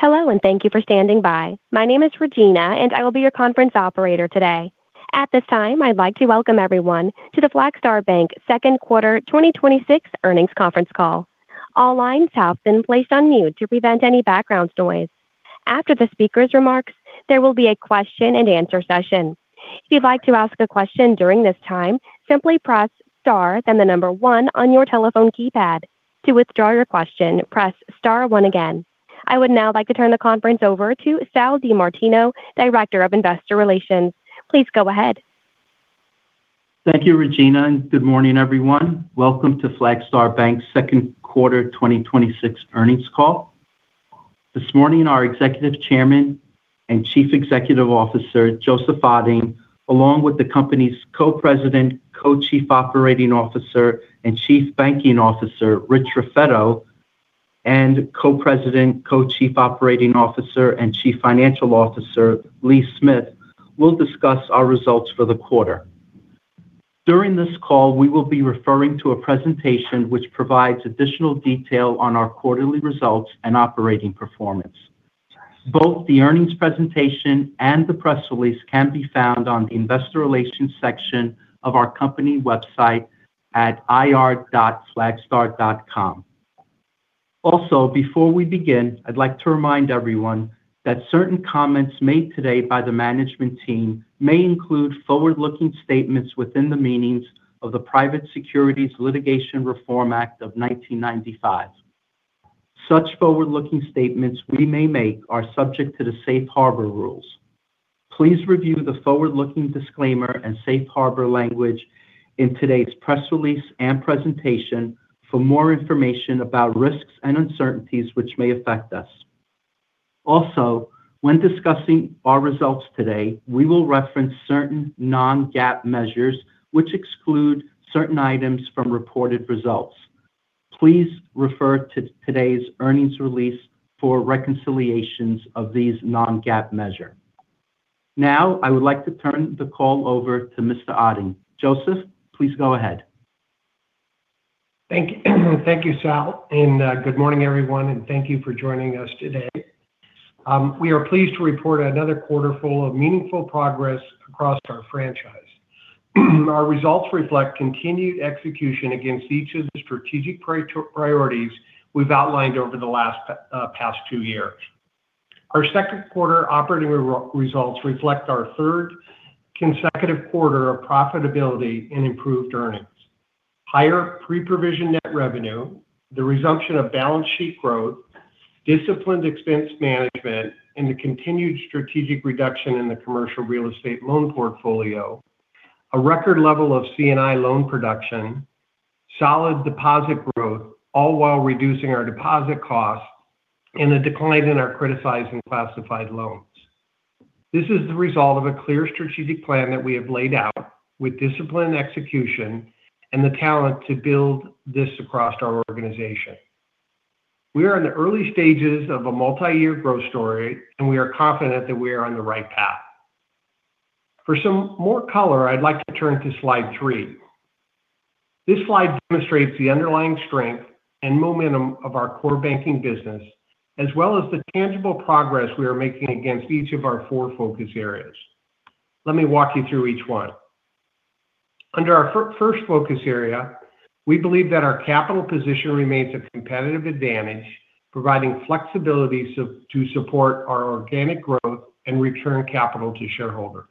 Hello, and thank you for standing by. My name is Regina, and I will be your conference operator today. At this time, I'd like to welcome everyone to the Flagstar Bank second quarter 2026 earnings conference call. All lines have been placed on mute to prevent any background noise. After the speaker's remarks, there will be a question-and-answer session. If you'd like to ask a question during this time, simply press star then one on your telephone keypad. To withdraw your question, press star one again. I would now like to turn the conference over to Sal DiMartino, Director of Investor Relations. Please go ahead. Thank you, Regina, and good morning, everyone. Welcome to Flagstar Bank's second quarter 2026 earnings call. This morning, our Executive Chairman and Chief Executive Officer, Joseph Otting, along with the company's Co-President, Co-Chief Operating Officer, and Chief Banking Officer, Rich Raffetto, and Co-President, Co-Chief Operating Officer, and Chief Financial Officer, Lee Smith, will discuss our results for the quarter. During this call, we will be referring to a presentation which provides additional detail on our quarterly results and operating performance. Both the earnings presentation and the press release can be found on the Investor Relations section of our company website at ir.flagstar.com. Also, before we begin, I'd like to remind everyone that certain comments made today by the management team may include forward-looking statements within the meanings of the Private Securities Litigation Reform Act of 1995. Such forward-looking statements we may make are subject to the Safe Harbor rules. Please review the forward-looking disclaimer and Safe Harbor language in today's press release and presentation for more information about risks and uncertainties which may affect us. Also, when discussing our results today, we will reference certain non-GAAP measures which exclude certain items from reported results. Please refer to today's earnings release for reconciliations of these non-GAAP measure. Now, I would like to turn the call over to Mr. Otting. Joseph, please go ahead. Thank you, Sal, and good morning, everyone, and thank you for joining us today. We are pleased to report another quarter full of meaningful progress across our franchise. Our results reflect continued execution against each of the strategic priorities we've outlined over the last past two years. Our second quarter operating results reflect our third consecutive quarter of profitability and improved earnings. Higher pre-provision net revenue, the resumption of balance sheet growth, disciplined expense management, and the continued strategic reduction in the commercial real estate loan portfolio, a record level of C&I loan production, solid deposit growth, all while reducing our deposit costs and a decline in our criticized and classified loans. This is the result of a clear strategic plan that we have laid out with disciplined execution and the talent to build this across our organization. We are in the early stages of a multi-year growth story. We are confident that we are on the right path. For some more color, I'd like to turn to slide three. This slide demonstrates the underlying strength and momentum of our core banking business, as well as the tangible progress we are making against each of our four focus areas. Let me walk you through each one. Under our first focus area, we believe that our capital position remains a competitive advantage, providing flexibility to support our organic growth and return capital to shareholders.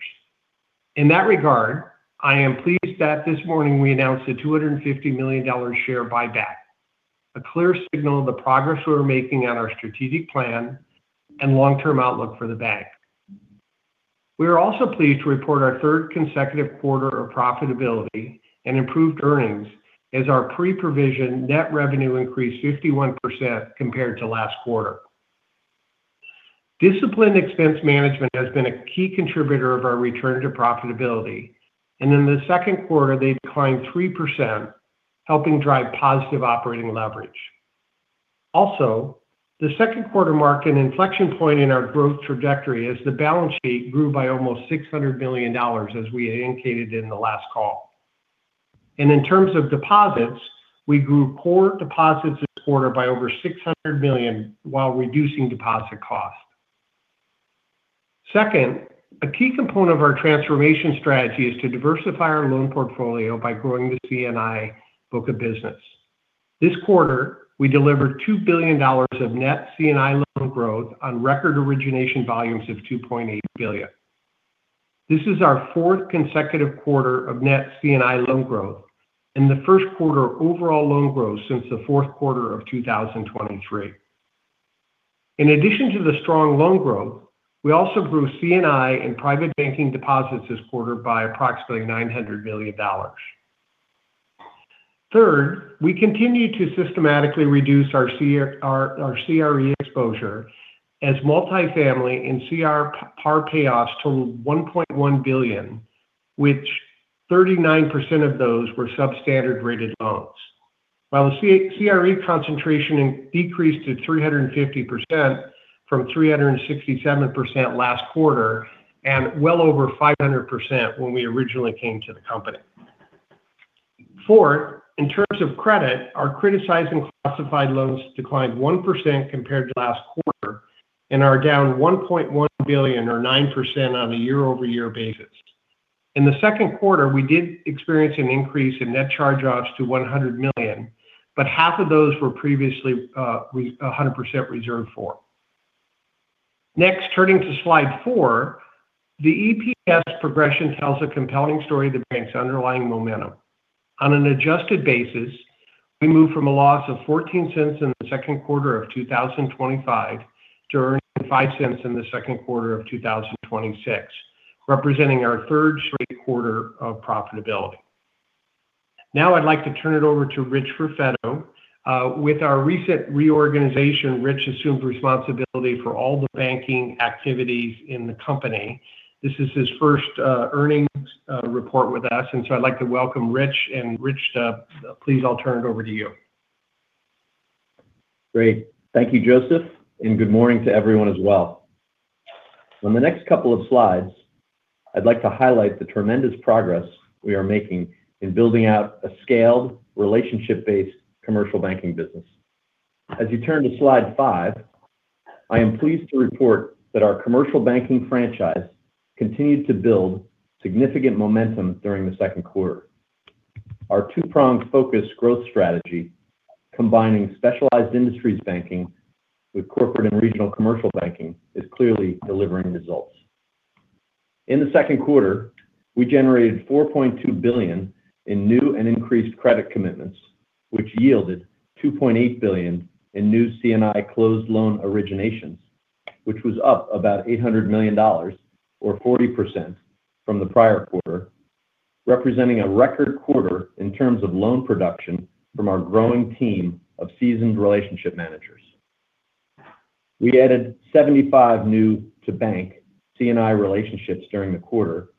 In that regard, I am pleased that this morning we announced a $250 million share buyback, a clear signal of the progress we're making on our strategic plan and long-term outlook for the bank. We are also pleased to report our third consecutive quarter of profitability and improved earnings as our pre-provision net revenue increased 51% compared to last quarter. Disciplined expense management has been a key contributor of our return to profitability. In the second quarter, they declined 3%, helping drive positive operating leverage. The second quarter marked an inflection point in our growth trajectory as the balance sheet grew by almost $600 million as we indicated in the last call. In terms of deposits, we grew core deposits this quarter by over $600 million while reducing deposit cost. Second, a key component of our transformation strategy is to diversify our loan portfolio by growing the C&I book of business. This quarter, we delivered $2 billion of net C&I loan growth on record origination volumes of $2.8 billion. This is our fourth consecutive quarter of net C&I loan growth and the first quarter of overall loan growth since the fourth quarter of 2023. In addition to the strong loan growth, we also grew C&I and private banking deposits this quarter by approximately $900 million. Third, we continue to systematically reduce our CRE exposure as multifamily and CRE par payoffs totaled $1.1 billion, which 39% of those were substandard rated loans, while the CRE concentration decreased to 350% from 367% last quarter and well over 500% when we originally came to the company. Fourth, in terms of credit, our criticized and classified loans declined 1% compared to last quarter and are down $1.1 billion or 9% on a year-over-year basis. In the second quarter, we did experience an increase in net charge-offs to $100 million, but half of those were previously 100% reserved for. Next, turning to slide four, the EPS progression tells a compelling story of the bank's underlying momentum. On an adjusted basis, we moved from a loss of $0.14 in the second quarter of 2025 to earning $0.05 in the second quarter of 2026, representing our third straight quarter of profitability. I'd like to turn it over to Rich Raffetto. With our recent reorganization, Rich assumed responsibility for all the banking activities in the company. This is his first earnings report with us. I'd like to welcome Rich. Rich, please, I'll turn it over to you. Great. Thank you, Joseph, and good morning to everyone as well. On the next couple of slides, I'd like to highlight the tremendous progress we are making in building out a scaled, relationship-based commercial banking business. As you turn to slide five, I am pleased to report that our commercial banking franchise continued to build significant momentum during the second quarter. Our two-pronged focus growth strategy, combining Specialized Industries Banking with Corporate and Regional Commercial Banking, is clearly delivering results. In the second quarter, we generated $4.2 billion in new and increased credit commitments, which yielded $2.8 billion in new C&I closed loan originations, which was up about $800 million or 40% from the prior quarter, representing a record quarter in terms of loan production from our growing team of seasoned relationship managers. We added 75 new to bank C&I relationships during the quarter,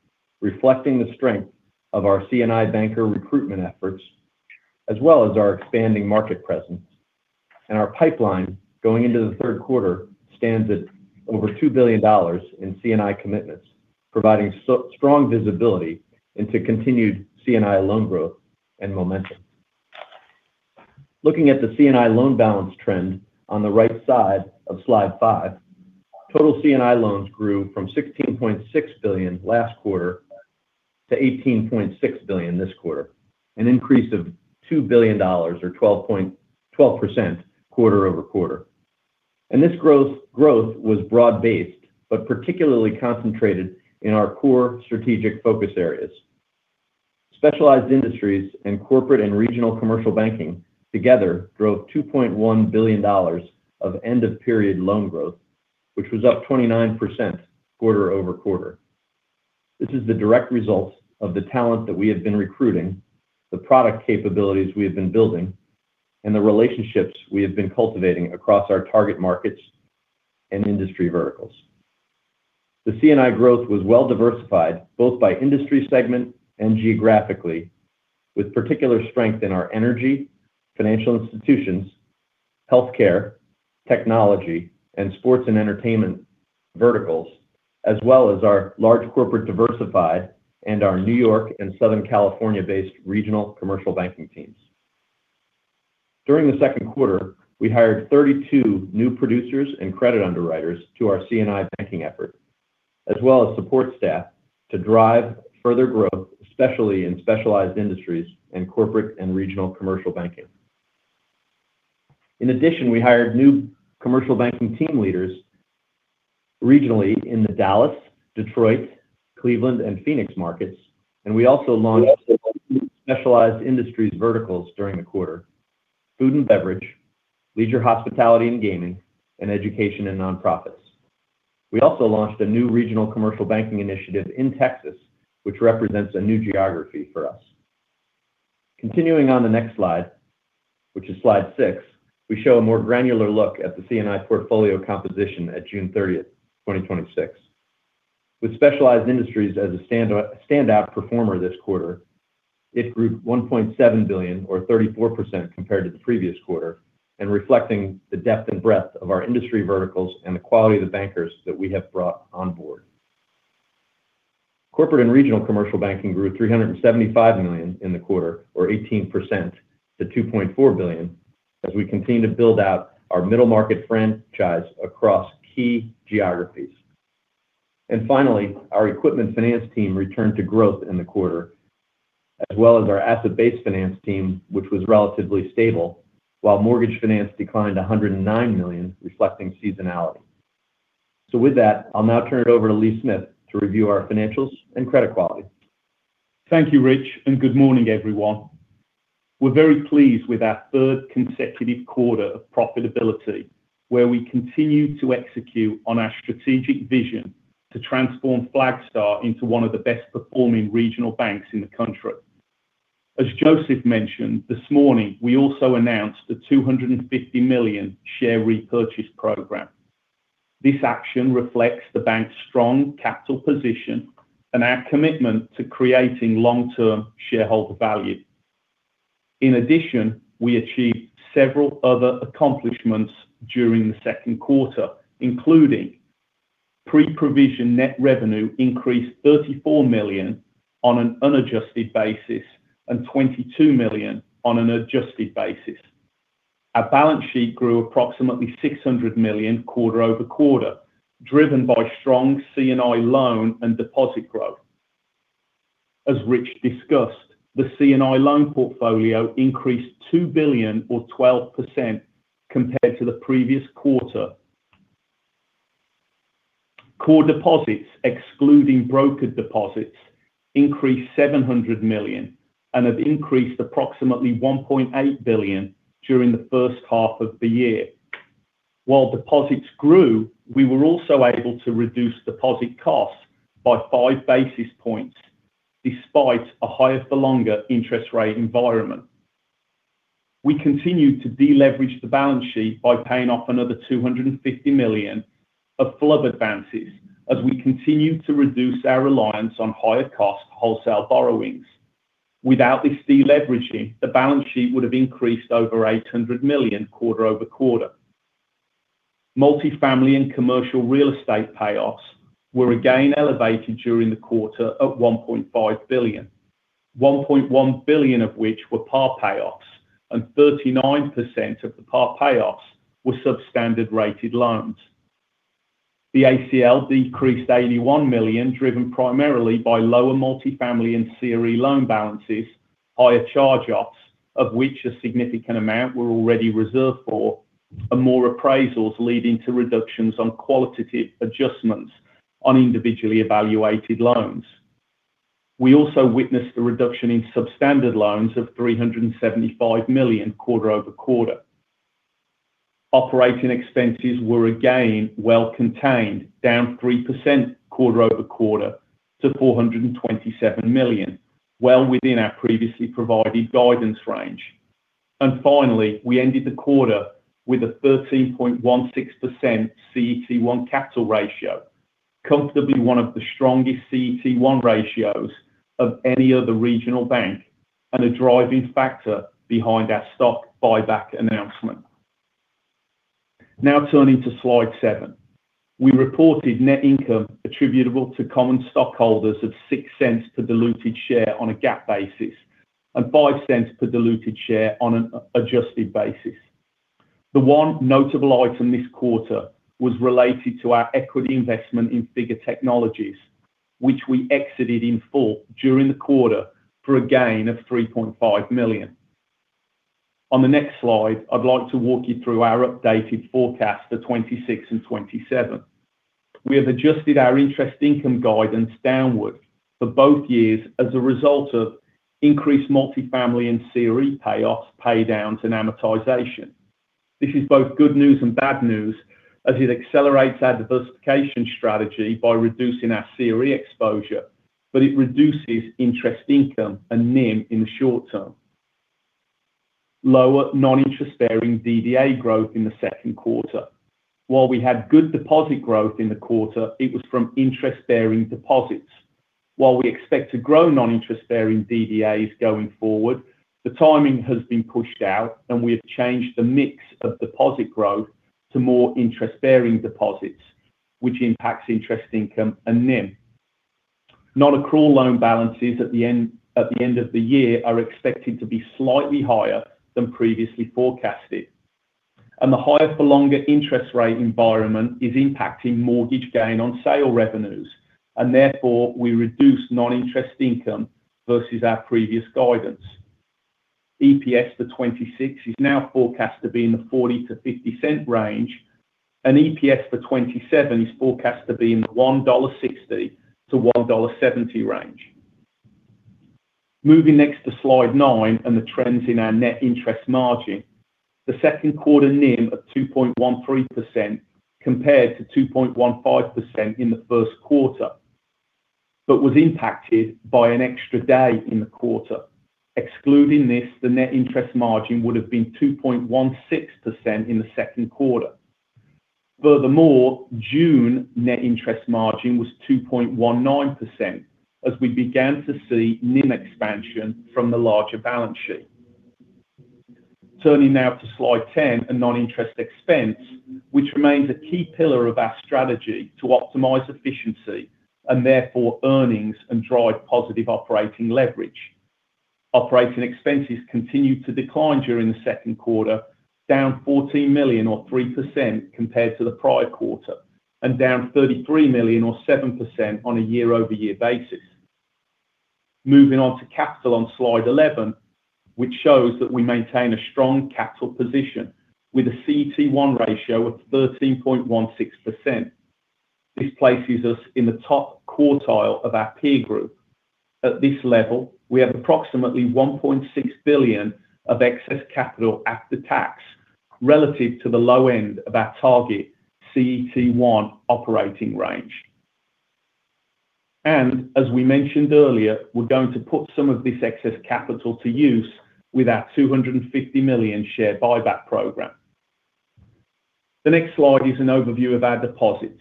reflecting the strength of our C&I banker recruitment efforts, as well as our expanding market presence. Our pipeline going into the third quarter stands at over $2 billion in C&I commitments, providing strong visibility into continued C&I loan growth and momentum. Looking at the C&I loan balance trend on the right side of slide five, total C&I loans grew from $16.6 billion last quarter to $18.6 billion this quarter, an increase of $2 billion or 12% quarter-over-quarter. This growth was broad-based, but particularly concentrated in our core strategic focus areas. Specialized Industries and Corporate and Regional Commercial Banking together drove $2.1 billion of end-of-period loan growth, which was up 29% quarter-over-quarter. This is the direct result of the talent that we have been recruiting, the product capabilities we have been building, and the relationships we have been cultivating across our target markets and industry verticals. The C&I growth was well diversified, both by industry segment and geographically, with particular strength in our energy, financial institutions, healthcare, technology, and sports and entertainment verticals, as well as our large corporate diversified and our New York and Southern California-based regional commercial banking teams. During the second quarter, we hired 32 new producers and credit underwriters to our C&I banking effort, as well as support staff to drive further growth, especially in Specialized Industries and Corporate and Regional Commercial Banking. In addition, we hired new commercial banking team leaders regionally in the Dallas, Detroit, Cleveland, and Phoenix markets, and we also launched Specialized Industries verticals during the quarter: food and beverage, leisure, hospitality and gaming, and education and nonprofits. We also launched a new regional commercial banking initiative in Texas, which represents a new geography for us. Continuing on the next slide, which is slide six, we show a more granular look at the C&I portfolio composition at June 30, 2026. With Specialized Industries as a standout performer this quarter, it grew to $1.7 billion or 34% compared to the previous quarter and reflecting the depth and breadth of our industry verticals and the quality of the bankers that we have brought on board. Corporate and Regional Commercial Banking grew $375 million in the quarter or 18% to $2.4 billion as we continue to build out our middle market franchise across key geographies. Finally, our equipment finance team returned to growth in the quarter, as well as our asset-based finance team, which was relatively stable, while mortgage finance declined $109 million, reflecting seasonality. With that, I'll now turn it over to Lee Smith to review our financials and credit quality. Thank you, Rich, and good morning, everyone. We're very pleased with our third consecutive quarter of profitability, where we continue to execute on our strategic vision to transform Flagstar into one of the best-performing regional banks in the country. As Joseph mentioned this morning, we also announced a $250 million share repurchase program. This action reflects the bank's strong capital position and our commitment to creating long-term shareholder value. In addition, we achieved several other accomplishments during the second quarter, including Pre-provision net revenue increased $34 million on an unadjusted basis and $22 million on an adjusted basis. Our balance sheet grew approximately $600 million quarter-over-quarter, driven by strong C&I loan and deposit growth. As Rich discussed, the C&I loan portfolio increased $2 billion or 12% compared to the previous quarter. Core deposits, excluding brokered deposits, increased $700 million and have increased approximately $1.8 billion during the first half of the year. While deposits grew, we were also able to reduce deposit costs by 5 basis points despite a higher-for-longer interest rate environment. We continued to deleverage the balance sheet by paying off another $250 million of FHLB advances as we continue to reduce our reliance on higher-cost wholesale borrowings. Without this deleveraging, the balance sheet would have increased over $800 million quarter-over-quarter. Multifamily and commercial real estate payoffs were again elevated during the quarter at $1.5 billion, $1.1 billion of which were par payoffs, and 39% of the par payoffs were substandard-rated loans. The ACL decreased $81 million, driven primarily by lower multifamily and CRE loan balances, higher charge-offs, of which a significant amount were already reserved for, and more appraisals leading to reductions on qualitative adjustments on individually evaluated loans. We also witnessed a reduction in substandard loans of $375 million quarter-over-quarter. Operating expenses were again well contained, down 3% quarter-over-quarter to $427 million, well within our previously provided guidance range. Finally, we ended the quarter with a 13.16% CET1 capital ratio, comfortably one of the strongest CET1 ratios of any other regional bank and a driving factor behind our stock buyback announcement. Now turning to slide seven. We reported net income attributable to common stockholders of $0.06 per diluted share on a GAAP basis and $0.05 per diluted share on an adjusted basis. The one notable item this quarter was related to our equity investment in Figure Technologies, which we exited in full during the quarter for a gain of $3.5 million. On the next slide, I'd like to walk you through our updated forecast for 2026 and 2027. We have adjusted our interest income guidance downward for both years as a result of increased multifamily and CRE payoffs, paydowns, and amortization. This is both good news and bad news as it accelerates our diversification strategy by reducing our CRE exposure, but it reduces interest income and NIM in the short term. Lower non-interest-bearing DDA growth in the second quarter. While we had good deposit growth in the quarter, it was from interest-bearing deposits. While we expect to grow non-interest-bearing DDAs going forward, the timing has been pushed out. We have changed the mix of deposit growth to more interest-bearing deposits, which impacts interest income and NIM. Nonaccrual loan balances at the end of the year are expected to be slightly higher than previously forecasted. The higher-for-longer interest rate environment is impacting mortgage gain on sale revenues. Therefore, we reduced non-interest income versus our previous guidance. EPS for 2026 is now forecast to be in the $0.40-$0.50 range, and EPS for 2027 is forecast to be in the $1.60-$1.70 range. Moving next to slide nine and the trends in our net interest margin. The second quarter NIM of 2.13% compared to 2.15% in the first quarter. It was impacted by an extra day in the quarter. Excluding this, the net interest margin would have been 2.16% in the second quarter. June net interest margin was 2.19% as we began to see NIM expansion from the larger balance sheet. Turning now to slide 10 on non-interest expense, which remains a key pillar of our strategy to optimize efficiency and therefore earnings and drive positive operating leverage. Operating expenses continued to decline during the second quarter, down $14 million or 3% compared to the prior quarter and down $33 million or 7% on a year-over-year basis. Moving on to capital on slide 11, which shows that we maintain a strong capital position with a CET1 ratio of 13.16%. This places us in the top quartile of our peer group. At this level, we have approximately $1.6 billion of excess capital after tax relative to the low end of our target CET1 operating range. As we mentioned earlier, we're going to put some of this excess capital to use with our $250 million share buyback program. The next slide is an overview of our deposits.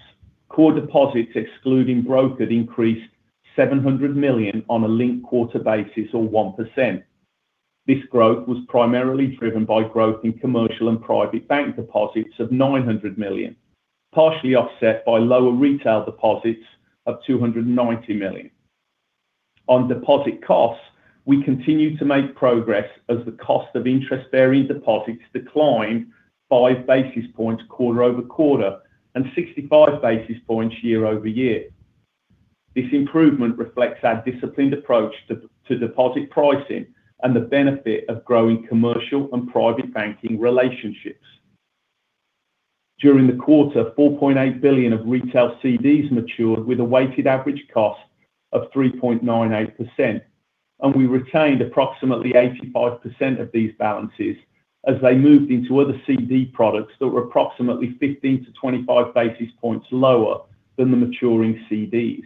Core deposits, excluding brokered, increased $700 million on a linked-quarter basis, or 1%. This growth was primarily driven by growth in commercial and private bank deposits of $900 million, partially offset by lower retail deposits of $290 million. On deposit costs, we continue to make progress as the cost of interest-bearing deposits declined 5 basis points quarter-over-quarter and 65 basis points year-over-year. This improvement reflects our disciplined approach to deposit pricing and the benefit of growing commercial and private banking relationships. During the quarter, $4.8 billion of retail CDs matured with a weighted average cost of 3.98%, and we retained approximately 85% of these balances as they moved into other CD products that were approximately 15 basis points to 25 basis points lower than the maturing CDs.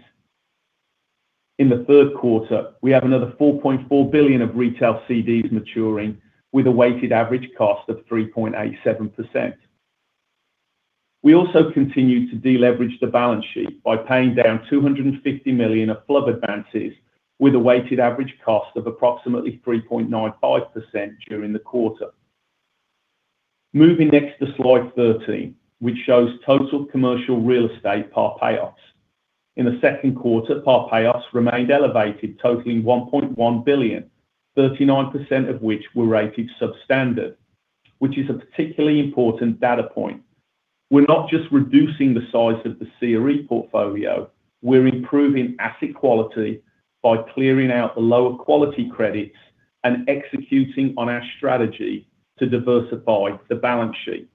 In the third quarter, we have another $4.4 billion of retail CDs maturing with a weighted average cost of 3.87%. We also continued to deleverage the balance sheet by paying down $250 million of FHLB advances with a weighted average cost of approximately 3.95% during the quarter. Moving next to slide 13, which shows total commercial real estate par payoffs. In the second quarter, par payoffs remained elevated, totaling $1.1 billion, 39% of which were rated substandard, which is a particularly important data point. We're not just reducing the size of the CRE portfolio, we're improving asset quality by clearing out the lower quality credits and executing on our strategy to diversify the balance sheet.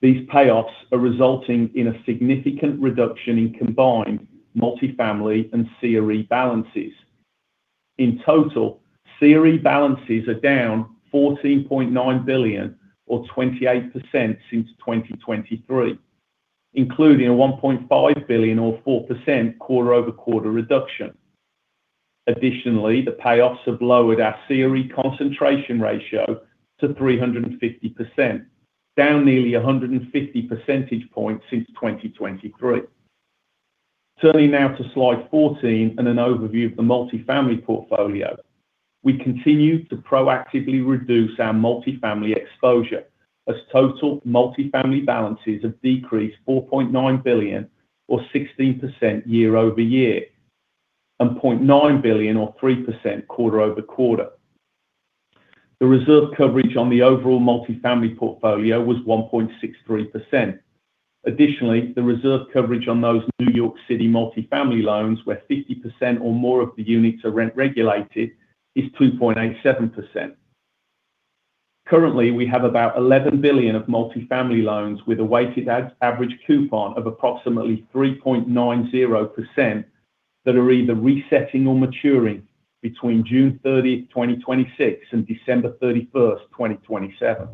These payoffs are resulting in a significant reduction in combined multifamily and CRE balances. In total, CRE balances are down $14.9 billion or 28% since 2023, including a $1.5 billion or 4% quarter-over-quarter reduction. Additionally, the payoffs have lowered our CRE concentration ratio to 350%, down nearly 150 percentage points since 2023. Turning now to slide 14 and an overview of the multifamily portfolio. We continue to proactively reduce our multifamily exposure as total multifamily balances have decreased $4.9 billion or 16% year-over-year, and $0.9 billion or 3% quarter-over-quarter. The reserve coverage on the overall multifamily portfolio was 1.63%. Additionally, the reserve coverage on those New York City multifamily loans, where 50% or more of the units are rent-regulated, is 2.87%. Currently, we have about $11 billion of multifamily loans with a weighted average coupon of approximately 3.90% that are either resetting or maturing between June 30, 2026, and December 31st, 2027.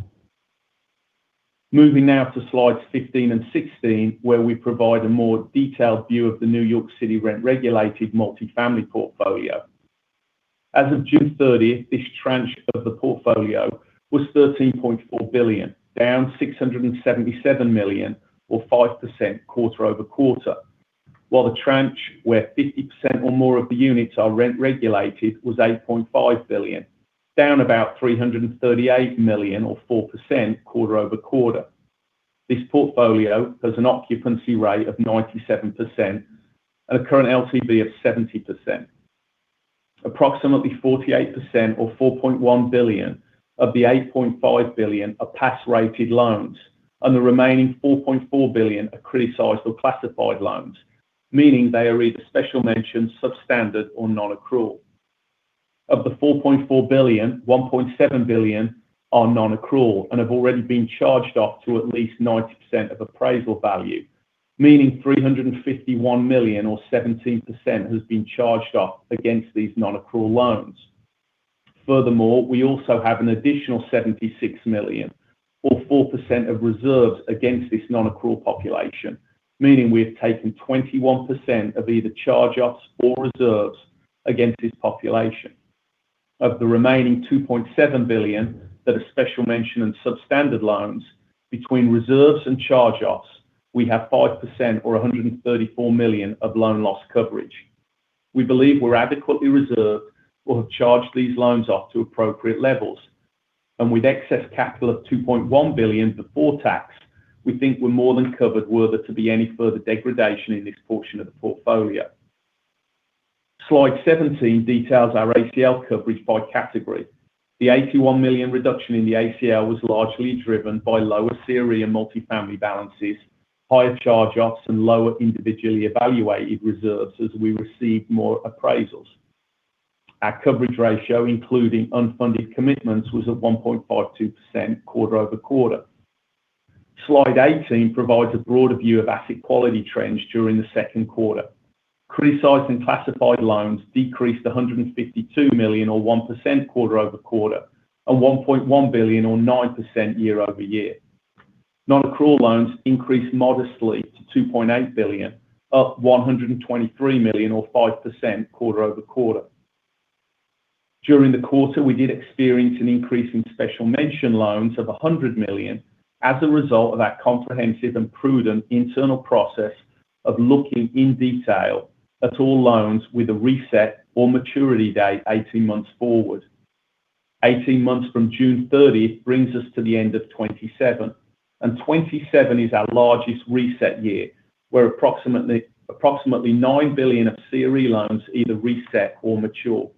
Moving now to slides 15 and 16, where we provide a more detailed view of the New York City rent-regulated multifamily portfolio. As of June 30, this tranche of the portfolio was $13.4 billion, down $677 million or 5% quarter-over-quarter. While the tranche where 50% or more of the units are rent regulated was $8.5 billion, down about $338 million or 4% quarter-over-quarter. This portfolio has an occupancy rate of 97% and a current LTV of 70%. Approximately 48% or $4.1 billion of the $8.5 billion are pass-rated loans, and the remaining $4.4 billion are criticized or classified loans, meaning they are either special mention, substandard, or non-accrual. Of the $4.4 billion, $1.7 billion are non-accrual and have already been charged-off to at least 90% of appraisal value, meaning $351 million or 17% has been charged-off against these non-accrual loans. Furthermore, we also have an additional $76 million or 4% of reserves against this non-accrual population, meaning we have taken 21% of either charge-offs or reserves against this population. Of the remaining $2.7 billion that are special mention and substandard loans, between reserves and charge-offs, we have 5% or $134 million of loan loss coverage. We believe we're adequately reserved or have charged these loans off to appropriate levels. With excess capital of $2.1 billion before tax, we think we're more than covered were there to be any further degradation in this portion of the portfolio. Slide 17 details our ACL coverage by category. The $81 million reduction in the ACL was largely driven by lower CRE and multifamily balances, higher charge-offs, and lower individually evaluated reserves as we received more appraisals. Our coverage ratio, including unfunded commitments, was at 1.52% quarter-over-quarter. Slide 18 provides a broader view of asset quality trends during the second quarter. Criticized and classified loans decreased $152 million or 1% quarter-over-quarter, and $1.1 billion or 9% year-over-year. Non-accrual loans increased modestly to $2.8 billion, up $123 million or 5% quarter-over-quarter. During the quarter, we did experience an increase in special mention loans of $100 million as a result of that comprehensive and prudent internal process of looking in detail at all loans with a reset or maturity date 18 months forward. 18 months from June 30th brings us to the end of 2027, and 2027 is our largest reset year, where approximately $9 billion of CRE loans either reset or mature.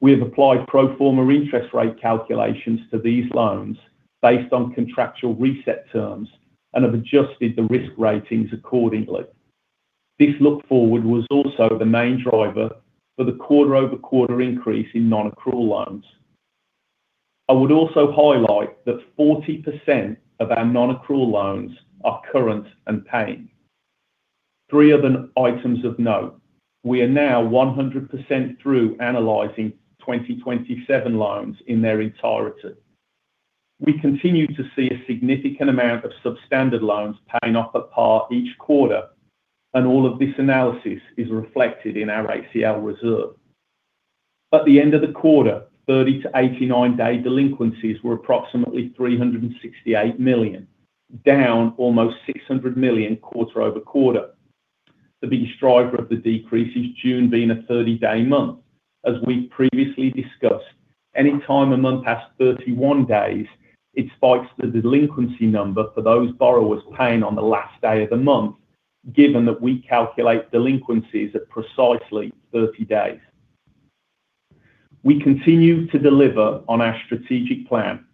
We have applied pro forma interest rate calculations to these loans based on contractual reset terms and have adjusted the risk ratings accordingly. This look forward was also the main driver for the quarter-over-quarter increase in non-accrual loans. I would also highlight that 40% of our non-accrual loans are current and paying. Three other items of note. We are now 100% through analyzing 2027 loans in their entirety. We continue to see a significant amount of substandard loans paying off at par each quarter, and all of this analysis is reflected in our ACL reserve. At the end of the quarter, 30- to 89-day delinquencies were approximately $368 million, down almost $600 million quarter-over-quarter. The biggest driver of the decrease is June being a 30-day month. As we've previously discussed, any time a month has 31 days, it spikes the delinquency number for those borrowers paying on the last day of the month, given that we calculate delinquencies at precisely 30 days. We continue to deliver on our strategic plan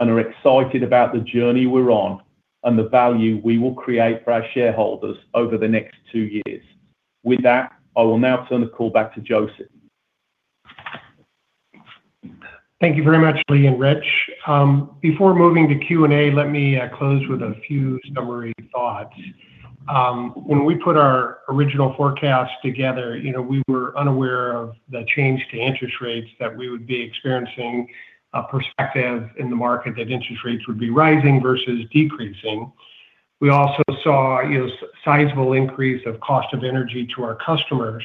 and are excited about the journey we're on and the value we will create for our shareholders over the next two years. With that, I will now turn the call back to Joseph. Thank you very much, Lee and Rich. Before moving to Q&A, let me close with a few summary thoughts. When we put our original forecast together, we were unaware of the change to interest rates that we would be experiencing a perspective in the market that interest rates would be rising versus decreasing. We also saw a sizable increase of cost of energy to our customers.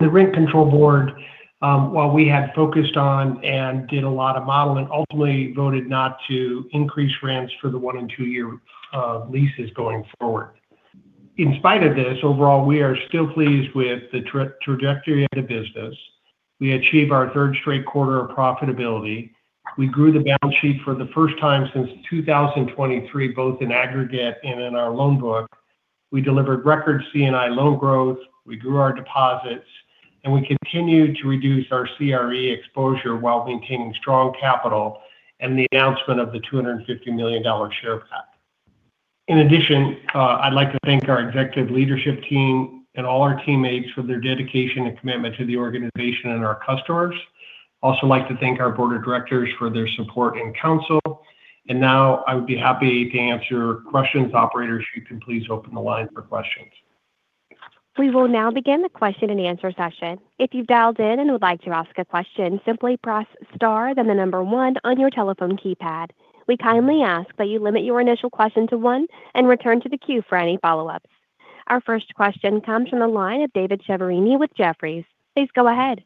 The rent control board, while we had focused on and did a lot of modeling, ultimately voted not to increase rents for the one- and two-year leases going forward. In spite of this, overall, we are still pleased with the trajectory of the business. We achieved our third straight quarter of profitability. We grew the balance sheet for the first time since 2023, both in aggregate and in our loan book. We delivered record C&I loan growth. We grew our deposits, we continued to reduce our CRE exposure while maintaining strong capital and the announcement of the $250 million share buyback. In addition, I'd like to thank our executive leadership team and all our teammates for their dedication and commitment to the organization and our customers. I also like to thank our Board of Directors for their support and counsel. Now I would be happy to answer questions. Operator, if you can please open the line for questions. We will now begin the question-and-answer session. If you've dialed in and would like to ask a question, simply press star, then the number one on your telephone keypad. We kindly ask that you limit your initial question to one and return to the queue for any follow-ups. Our first question comes from the line of David Chiaverini with Jefferies. Please go ahead.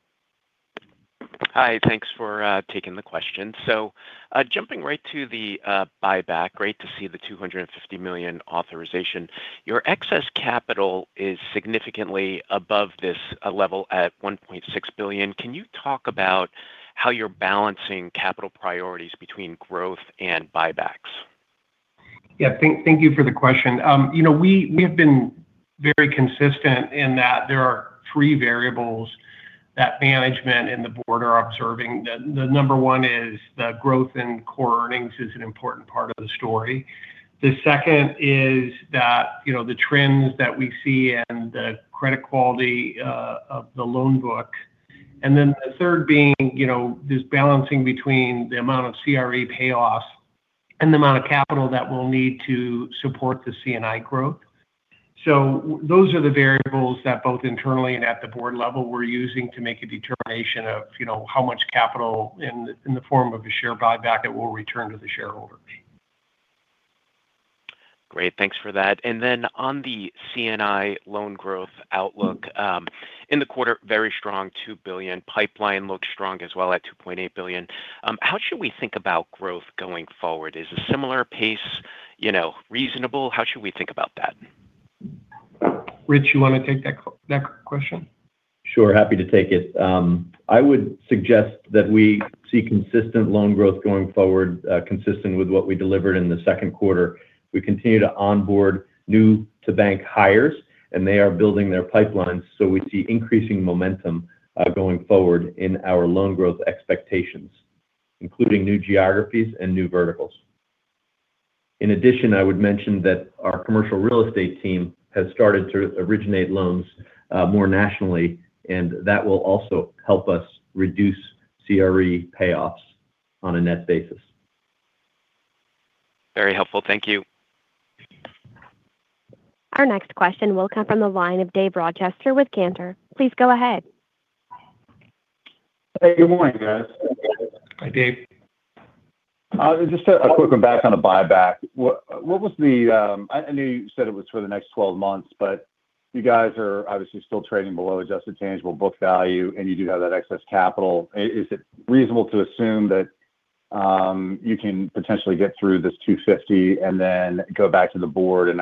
Hi, thanks for taking the question. Jumping right to the buyback. Great to see the $250 million authorization. Your excess capital is significantly above this level at $1.6 billion. Can you talk about how you're balancing capital priorities between growth and buybacks? Yeah, thank you for the question. We have been very consistent in that there are three variables that management and the board are observing. The number one is the growth in core earnings is an important part of the story. The second is that the trends that we see and the credit quality of the loan book, the third being this balancing between the amount of CRE payoffs and the amount of capital that we'll need to support the C&I growth. Those are the variables that both internally and at the board level we're using to make a determination of how much capital in the form of a share buyback that we'll return to the shareholder. Great. Thanks for that. On the C&I loan growth outlook. In the quarter, very strong, $2 billion. Pipeline looks strong as well at $2.8 billion. How should we think about growth going forward? Is a similar pace reasonable? How should we think about that? Rich, you want to take that question? Sure. Happy to take it. I would suggest that we see consistent loan growth going forward, consistent with what we delivered in the second quarter. We continue to onboard new-to-bank hires, they are building their pipelines. We see increasing momentum going forward in our loan growth expectations, including new geographies and new verticals. In addition, I would mention that our commercial real estate team has started to originate loans more nationally, and that will also help us reduce CRE payoffs on a net basis. Very helpful. Thank you. Our next question will come from the line of Dave Rochester with Cantor. Please go ahead. Hey, good morning, guys. Hi, Dave. Just a quick one back on the buyback. I know you said it was for the next 12 months, but you guys are obviously still trading below adjusted tangible book value, and you do have that excess capital. Is it reasonable to assume that you can potentially get through this $250 million and then go back to the Board and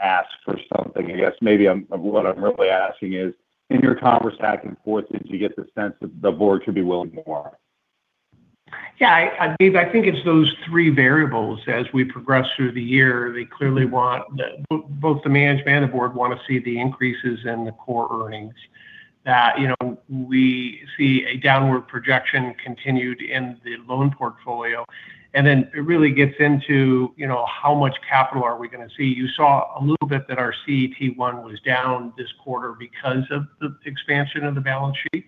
ask for something. I guess maybe what I'm really asking is, in your conversation back and forth, did you get the sense that the Board should be willing to warrant? Yeah, Dave, I think it's those three variables as we progress through the year. Both the management and the Board want to see the increases in the core earnings that we see a downward projection continued in the loan portfolio. It really gets into how much capital are we going to see. You saw a little bit that our CET1 was down this quarter because of the expansion of the balance sheet.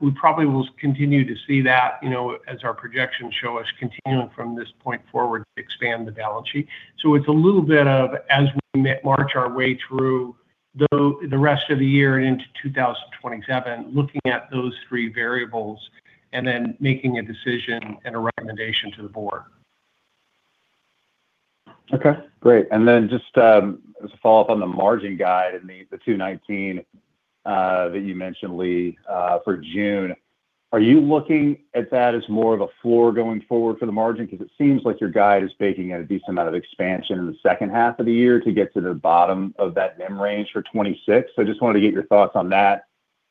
We probably will continue to see that as our projections show us continuing from this point forward to expand the balance sheet. It's a little bit of as we march our way through the rest of the year and into 2027, looking at those three variables and then making a decision and a recommendation to the Board. Okay, great. Just as a follow-up on the margin guide and the 2.19% that you mentioned, Lee, for June. Are you looking at that as more of a floor going forward for the margin? It seems like your guide is baking in a decent amount of expansion in the second half of the year to get to the bottom of that NIM range for 2026. I just wanted to get your thoughts on that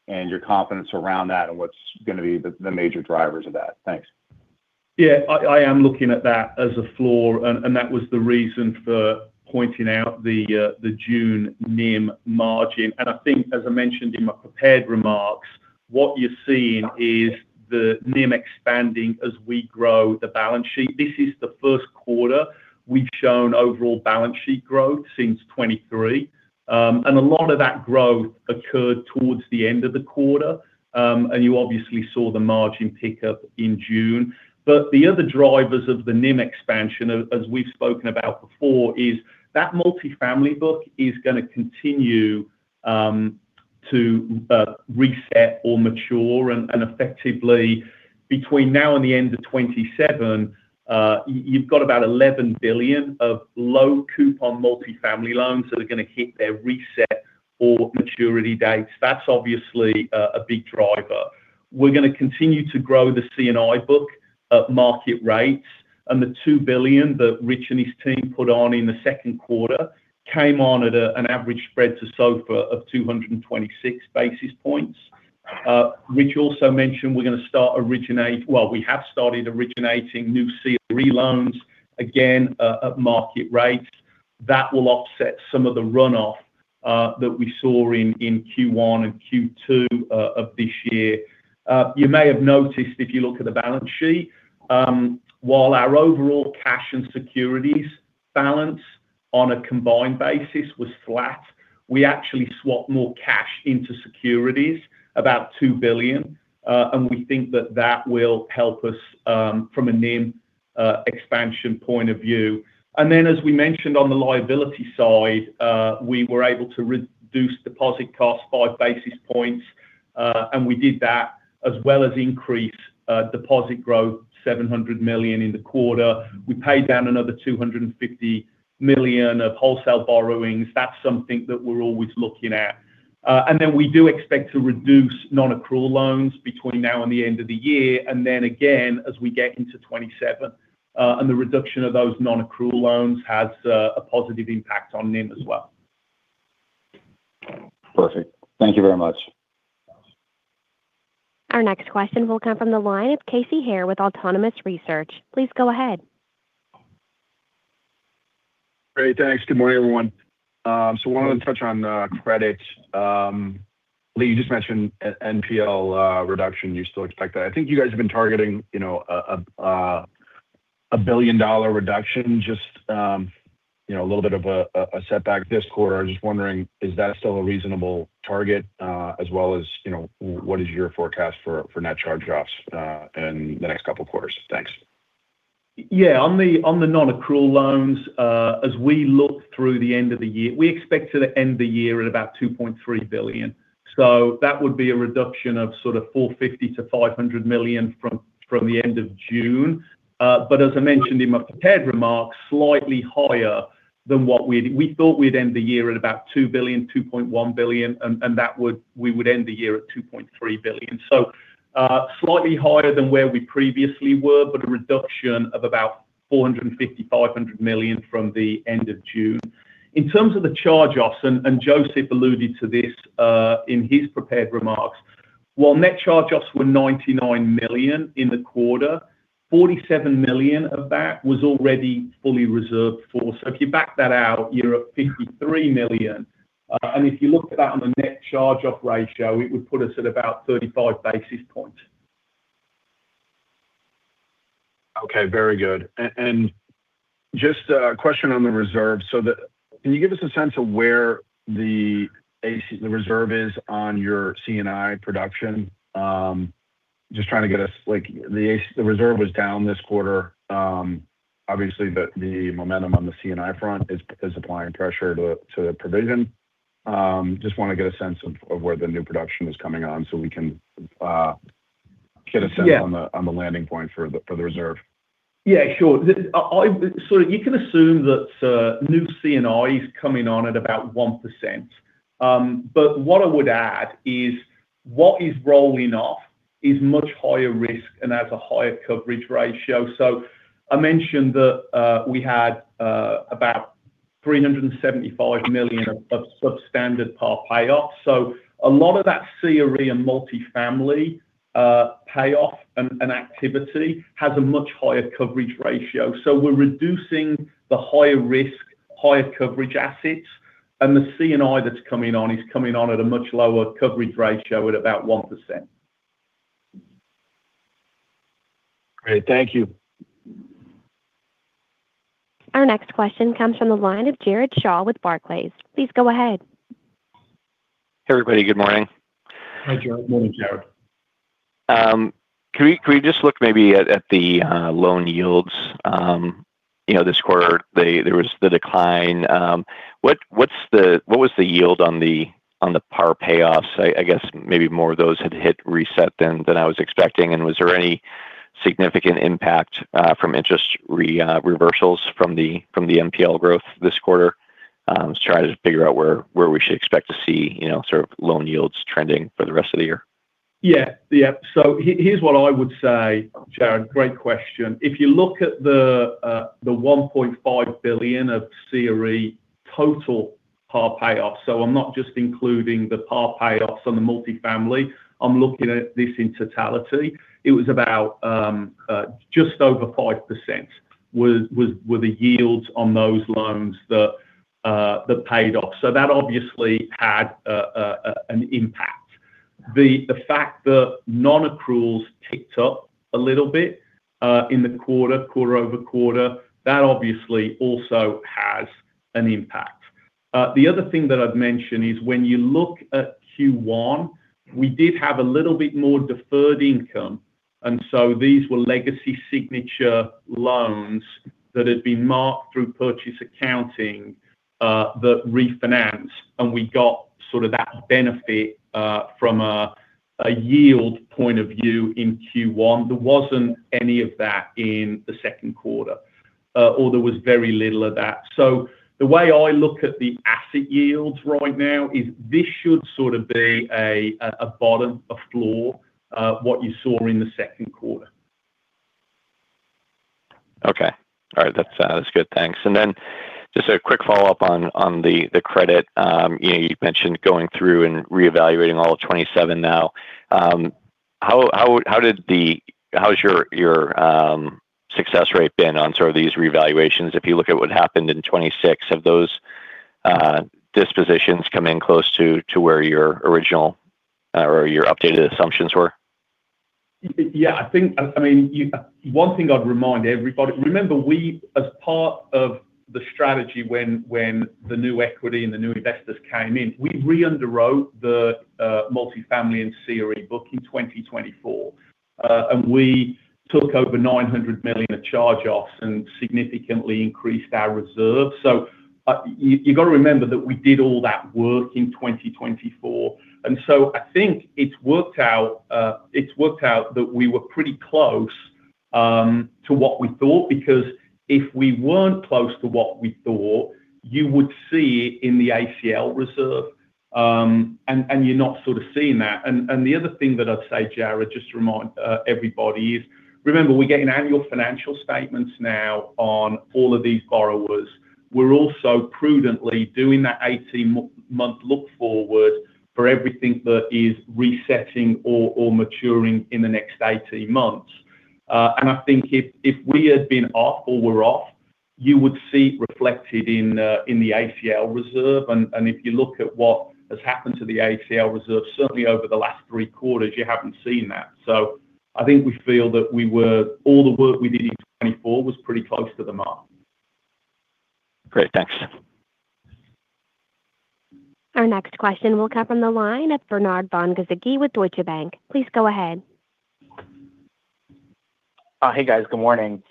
and your confidence around that and what's going to be the major drivers of that. Thanks. Yeah, I am looking at that as a floor, and that was the reason for pointing out the June NIM margin. I think as I mentioned in my prepared remarks, what you're seeing is the NIM expanding as we grow the balance sheet. This is the first quarter we've shown overall balance sheet growth since 2023. A lot of that growth occurred towards the end of the quarter. You obviously saw the margin pick up in June. The other drivers of the NIM expansion, as we've spoken about before, is that multifamily book is going to continue to reset or mature. Effectively, between now and the end of 2027, you've got about $11 billion of low-coupon multifamily loans that are going to hit their reset or maturity dates. That's obviously a big driver. We're going to continue to grow the C&I book at market rates, and the $2 billion that Rich and his team put on in the second quarter came on at an average spread to SOFR of 226 basis points. Rich also mentioned we have started originating new CRE loans, again, at market rates. That will offset some of the runoff that we saw in Q1 and Q2 of this year. You may have noticed if you look at the balance sheet, while our overall cash and securities balance on a combined basis was flat, we actually swapped more cash into securities, about $2 billion. We think that that will help us from a NIM expansion point of view. As we mentioned on the liability side, we were able to reduce deposit costs 5 basis points. We did that as well as increase deposit growth, $700 million in the quarter. We paid down another $250 million of wholesale borrowings. That's something that we're always looking at. We do expect to reduce non-accrual loans between now and the end of the year, then again, as we get into 2027. The reduction of those non-accrual loans has a positive impact on NIM as well. Perfect. Thank you very much. Our next question will come from the line of Casey Haire with Autonomous Research. Please go ahead. Great, thanks. Good morning, everyone. I wanted to touch on credit. Lee, you just mentioned NPL reduction. You still expect that. I think you guys have been targeting a billion-dollar reduction, just a little bit of a setback this quarter. I was just wondering, is that still a reasonable target? What is your forecast for net charge-offs in the next couple quarters? Thanks. On the non-accrual loans, as we look through the end of the year, we expect to end the year at about $2.3 billion. That would be a reduction of sort of $450 million-$500 million from the end of June. As I mentioned in my prepared remarks, slightly higher than what we thought we'd end the year at about $2 billion-$2.1 billion, and we would end the year at $2.3 billion. Slightly higher than where we previously were, but a reduction of about $450 million-$500 million from the end of June. In terms of the charge-offs, and Joseph alluded to this in his prepared remarks, while net charge-offs were $99 million in the quarter, $47 million of that was already fully reserved for. If you back that out, you're at $53 million. If you looked at that on the net charge-off ratio, it would put us at about 35 basis points. Okay, very good. Just a question on the reserve. Can you give us a sense of where the reserve is on your C&I production? Just trying to get a the reserve was down this quarter. Obviously, the momentum on the C&I front is applying pressure to the provision. Just want to get a sense of where the new production is coming on so we can get a sense- Yeah on the landing point for the reserve. Yeah, sure. You can assume that new C&I is coming on at about 1%. What I would add is what is rolling off is much higher risk and has a higher coverage ratio. I mentioned that we had about $375 million of substandard par payoffs. A lot of that CRE and multi-family payoff and activity has a much higher coverage ratio. We're reducing the higher risk, higher coverage assets, and the C&I that's coming on is coming on at a much lower coverage ratio at about 1%. Great. Thank you. Our next question comes from the line of Jared Shaw with Barclays. Please go ahead. Hey, everybody. Good morning. Good morning, Jared. Can we just look maybe at the loan yields this quarter? There was the decline. What was the yield on the par payoffs? I guess maybe more of those had hit reset than I was expecting, and was there any significant impact from interest reversals from the NPL growth this quarter? I'm just trying to figure out where we should expect to see loan yields trending for the rest of the year. Here's what I would say, Jared, great question. If you look at the $1.5 billion of CRE total par payoffs, so I'm not just including the par payoffs on the multifamily, I'm looking at this in totality. It was about just over 5% were the yields on those loans that paid off. That obviously had an impact. The fact that non-accruals ticked up a little bit in the quarter-over-quarter, that obviously also has an impact. The other thing that I'd mention is when you look at Q1, we did have a little bit more deferred income, and so these were legacy signature loans that had been marked through purchase accounting, that refinance, and we got sort of that benefit from a yield point of view in Q1. There wasn't any of that in the second quarter, or there was very little of that. The way I look at the asset yields right now is this should sort of be a bottom, a floor, what you saw in the second quarter. Okay. All right. That's good. Thanks. Then just a quick follow-up on the credit. You mentioned going through and reevaluating all of 2027 now. How's your success rate been on sort of these reevaluations? If you look at what happened in 2026, have those dispositions come in close to where your original or your updated assumptions were? I think, one thing I'd remind everybody, remember we, as part of the strategy when the new equity and the new investors came in, we re-underwrote the multifamily and CRE book in 2024. We took over $900 million of charge-offs and significantly increased our reserve. You got to remember that we did all that work in 2024, and so I think it's worked out that we were pretty close to what we thought, because if we weren't close to what we thought, you would see it in the ACL reserve. You're not sort of seeing that. The other thing that I'd say, Jared, just to remind everybody, is remember, we're getting annual financial statements now on all of these borrowers. We're also prudently doing that 18-month look forward for everything that is resetting or maturing in the next 18 months. I think if we had been off or were off, you would see it reflected in the ACL reserve. If you look at what has happened to the ACL reserve, certainly over the last three quarters, you haven't seen that. I think we feel that all the work we did in 2024 was pretty close to the mark. Great, thanks. Our next question will come from the line of Bernard von-Gizycki with Deutsche Bank. Please go ahead. Hey, guys. Good morning.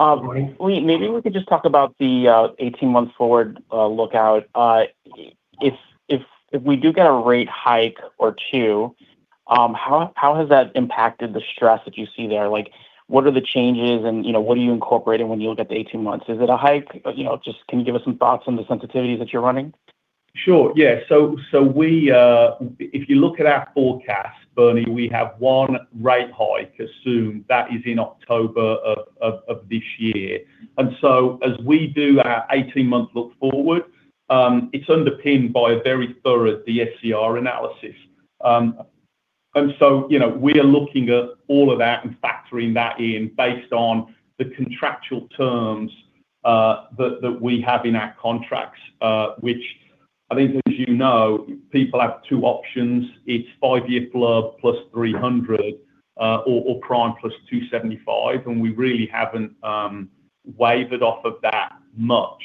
Morning. Lee maybe we could just talk about the 18-month forward lookout. If we do get a rate hike or two, how has that impacted the stress that you see there? What are the changes, and what are you incorporating when you look at the 18 months? Is it a hike? Just can you give us some thoughts on the sensitivities that you're running? Sure, yeah. If you look at our forecast, Bernie, we have one rate hike assumed. That is in October of this year. As we do our 18-month look forward, it's underpinned by a very thorough DSCR analysis. We are looking at all of that and factoring that in based on the contractual terms that we have in our contracts, which I think as you know, people have two options. It's five-year LIBOR plus 300 basis points or prime plus 275 basis points, and we really haven't wavered off of that much.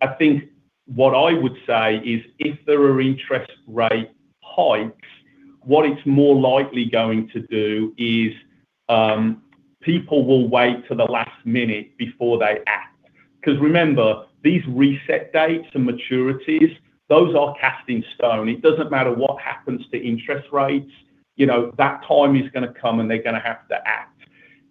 I think what I would say is if there are interest rate hikes, what it's more likely going to do is people will wait till the last minute before they act. Because remember, these reset dates and maturities, those are cast in stone. It doesn't matter what happens to interest rates. That time is going to come and they're going to have to act.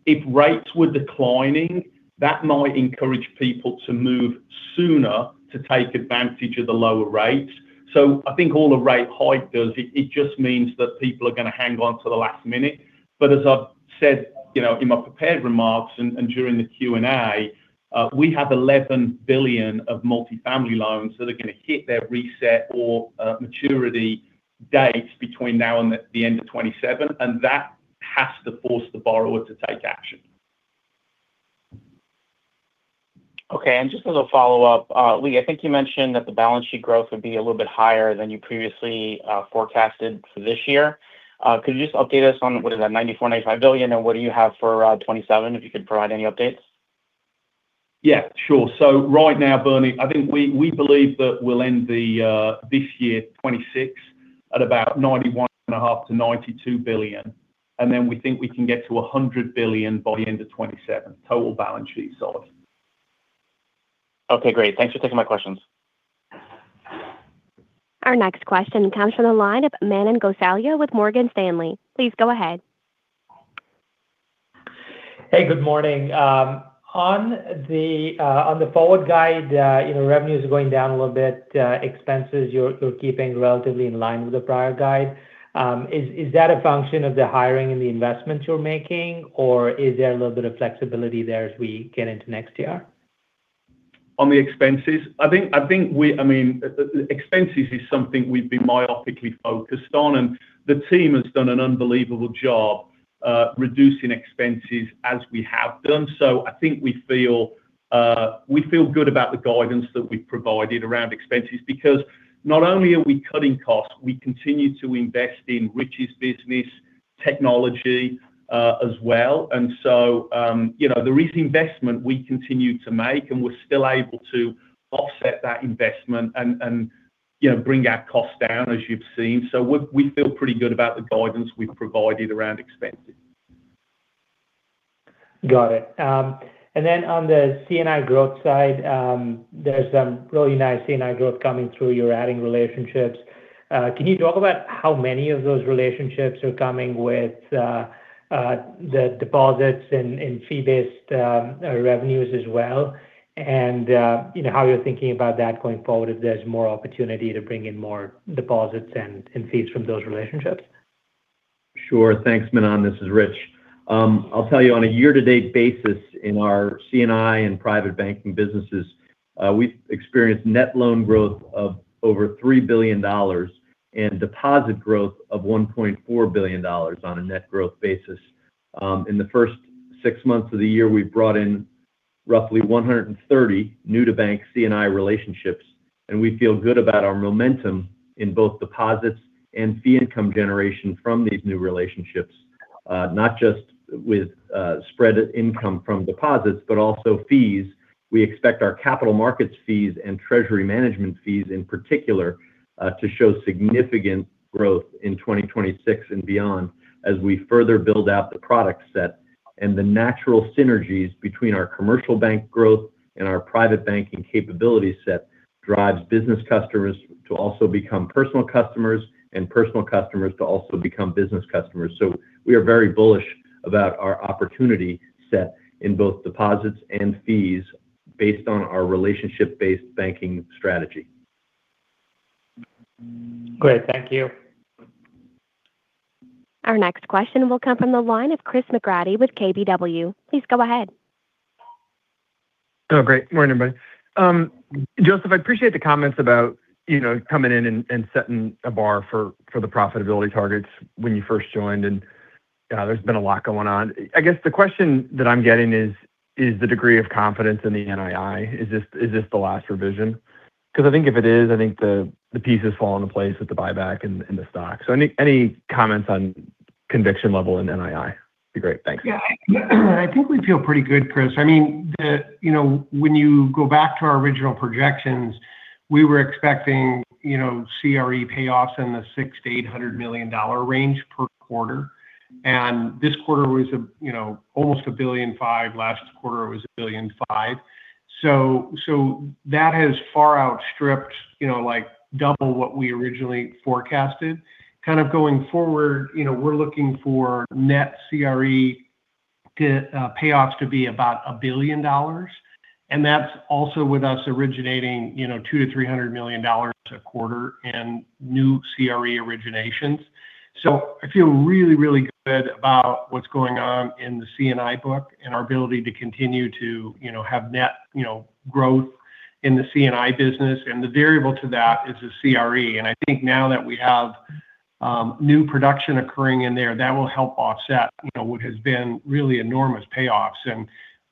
If rates were declining, that might encourage people to move sooner to take advantage of the lower rates. I think all the rate hike does, it just means that people are going to hang on till the last minute. As I've said in my prepared remarks and during the Q&A, we have $11 billion of multi-family loans that are going to hit their reset or maturity dates between now and the end of 2027, and that has to force the borrower to take action. Okay. Just as a follow-up, Lee, I think you mentioned that the balance sheet growth would be a little bit higher than you previously forecasted for this year. Could you just update us on what is that, $94 billion-$95 billion, and what do you have for 2027, if you could provide any updates? Yeah, sure. Right now, Bernie, I think we believe that we'll end this year, 2026, at about $91.5 billion-$92 billion. We think we can get to $100 billion by the end of 2027. Total balance sheet size. Okay, great. Thanks for taking my questions. Our next question comes from the line of Manan Gosalia with Morgan Stanley. Please go ahead. Hey, good morning. On the forward guide, revenues are going down a little bit. Expenses, you're keeping relatively in line with the prior guide. Is that a function of the hiring and the investments you're making, or is there a little bit of flexibility there as we get into next year? On the expenses. Expenses is something we've been myopically focused on, and the team has done an unbelievable job reducing expenses as we have done. I think we feel good about the guidance that we've provided around expenses because not only are we cutting costs, we continue to invest in Rich's business, technology as well. There is investment we continue to make, and we're still able to offset that investment and bring our costs down, as you've seen. We feel pretty good about the guidance we've provided around expenses. Got it. Then on the C&I growth side, there's some really nice C&I growth coming through. You're adding relationships. Can you talk about how many of those relationships are coming with the deposits and fee-based revenues as well? How you're thinking about that going forward, if there's more opportunity to bring in more deposits and fees from those relationships. Sure. Thanks, Manan. This is Rich. I'll tell you on a year-to-date basis in our C&I and private banking businesses, we've experienced net loan growth of over $3 billion and deposit growth of $1.4 billion on a net growth basis. In the first six months of the year, we've brought in roughly 130 new-to-bank C&I relationships. We feel good about our momentum in both deposits and fee income generation from these new relationships. Not just with spread income from deposits, but also fees. We expect our capital markets fees and treasury management fees in particular to show significant growth in 2026 and beyond as we further build out the product set. The natural synergies between our commercial bank growth and our private banking capability set drives business customers to also become personal customers, and personal customers to also become business customers. We are very bullish about our opportunity set in both deposits and fees based on our relationship-based banking strategy. Great. Thank you. Our next question will come from the line of Chris McGratty with KBW. Please go ahead. Oh, great. Morning, everybody. Joseph, I appreciate the comments about coming in and setting a bar for the profitability targets when you first joined. There's been a lot going on. I guess the question that I'm getting is the degree of confidence in the NII. Is this the last revision? I think if it is, I think the pieces fall into place with the buyback and the stock. Any comments on conviction level in NII would be great. Thanks. Yeah. I think we feel pretty good, Chris. When you go back to our original projections, we were expecting CRE payoffs in the $600 million-$800 million range per quarter. This quarter was almost $1.5 billion. Last quarter was $1.5 billion. That has far outstripped double what we originally forecasted. Kind of going forward, we're looking for net CRE payoffs to be about $1 billion. That's also with us originating $200 million-$300 million a quarter in new CRE originations. I feel really, really good about what's going on in the C&I book and our ability to continue to have net growth in the C&I business. The variable to that is the CRE. I think now that we have new production occurring in there, that will help offset what has been really enormous payoffs.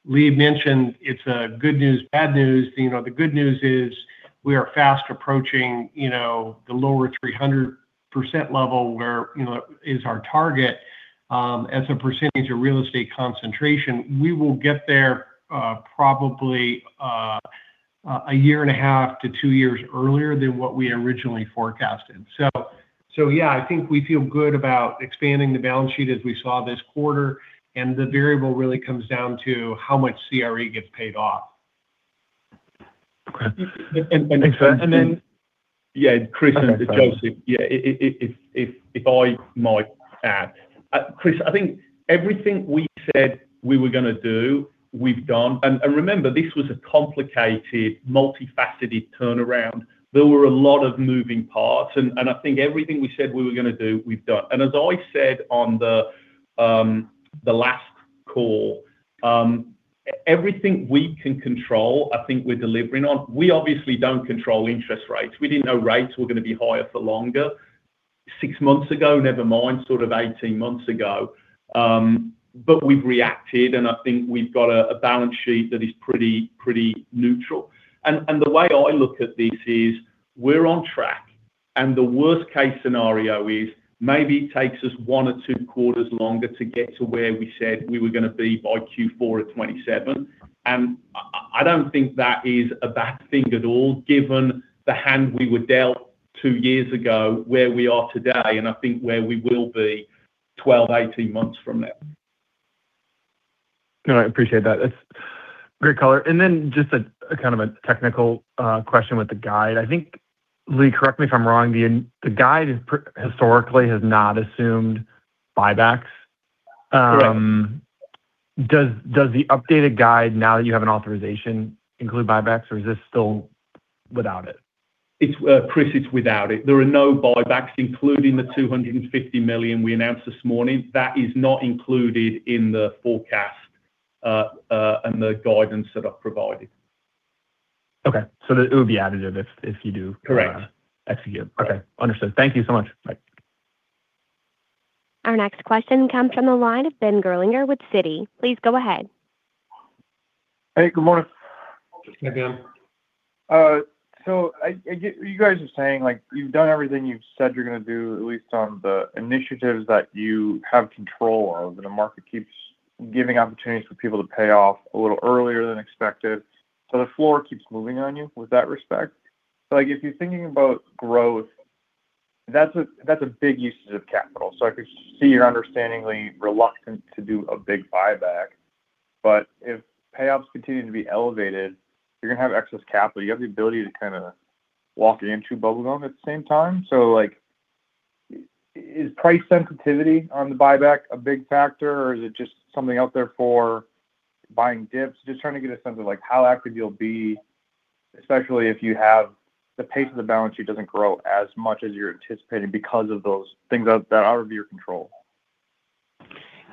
Lee mentioned it's a good news, bad news. The good news is we are fast approaching the lower 300% level where is our target as a percentage of real estate concentration. We will get there probably a year and a half to two years earlier than what we originally forecasted. Yeah, I think we feel good about expanding the balance sheet as we saw this quarter, and the variable really comes down to how much CRE gets paid off. Okay. Thanks. Yeah, Chris and Joseph. If I might add. Chris, I think everything we said we were going to do, we've done. Remember, this was a complicated, multifaceted turnaround. There were a lot of moving parts and I think everything we said we were going to do, we've done. As I said on the last call, everything we can control, I think we're delivering on. We obviously don't control interest rates. We didn't know rates were going to be higher for longer six months ago, never mind sort of 18 months ago. We've reacted, and I think we've got a balance sheet that is pretty neutral. The way I look at this is we're on track, and the worst case scenario is maybe it takes us one or two quarters longer to get to where we said we were going to be by Q4 of 2027. I don't think that is a bad thing at all given the hand we were dealt two years ago, where we are today, and I think where we will be 12-18 months from now. No, I appreciate that. That's great color. Just a kind of technical question with the guide. I think, Lee, correct me if I'm wrong, the guide historically has not assumed buybacks. Correct. Does the updated guide, now that you have an authorization, include buybacks, or is this still without it? Chris, it's without it. There are no buybacks, including the $250 million we announced this morning. That is not included in the forecast, and the guidance that I've provided. Okay. It would be additive if you do- Correct execute. Okay. Understood. Thank you so much. Bye. Our next question comes from the line of Ben Gerlinger with Citi. Please go ahead. Hey, good morning. Good morning. Good morning, Ben. You guys are saying you've done everything you've said you're going to do, at least on the initiatives that you have control of, the market keeps giving opportunities for people to pay off a little earlier than expected, the floor keeps moving on you with that respect. If you're thinking about growth, that's a big usage of capital. I could see you're understandingly reluctant to do a big buyback. If payoffs continue to be elevated, you're going to have excess capital. You have the ability to kind of walk and chew bubblegum at the same time. Is price sensitivity on the buyback a big factor, or is it just something out there for buying dips? Just trying to get a sense of how active you'll be, especially if you have the pace of the balance sheet doesn't grow as much as you're anticipating because of those things that are out of your control.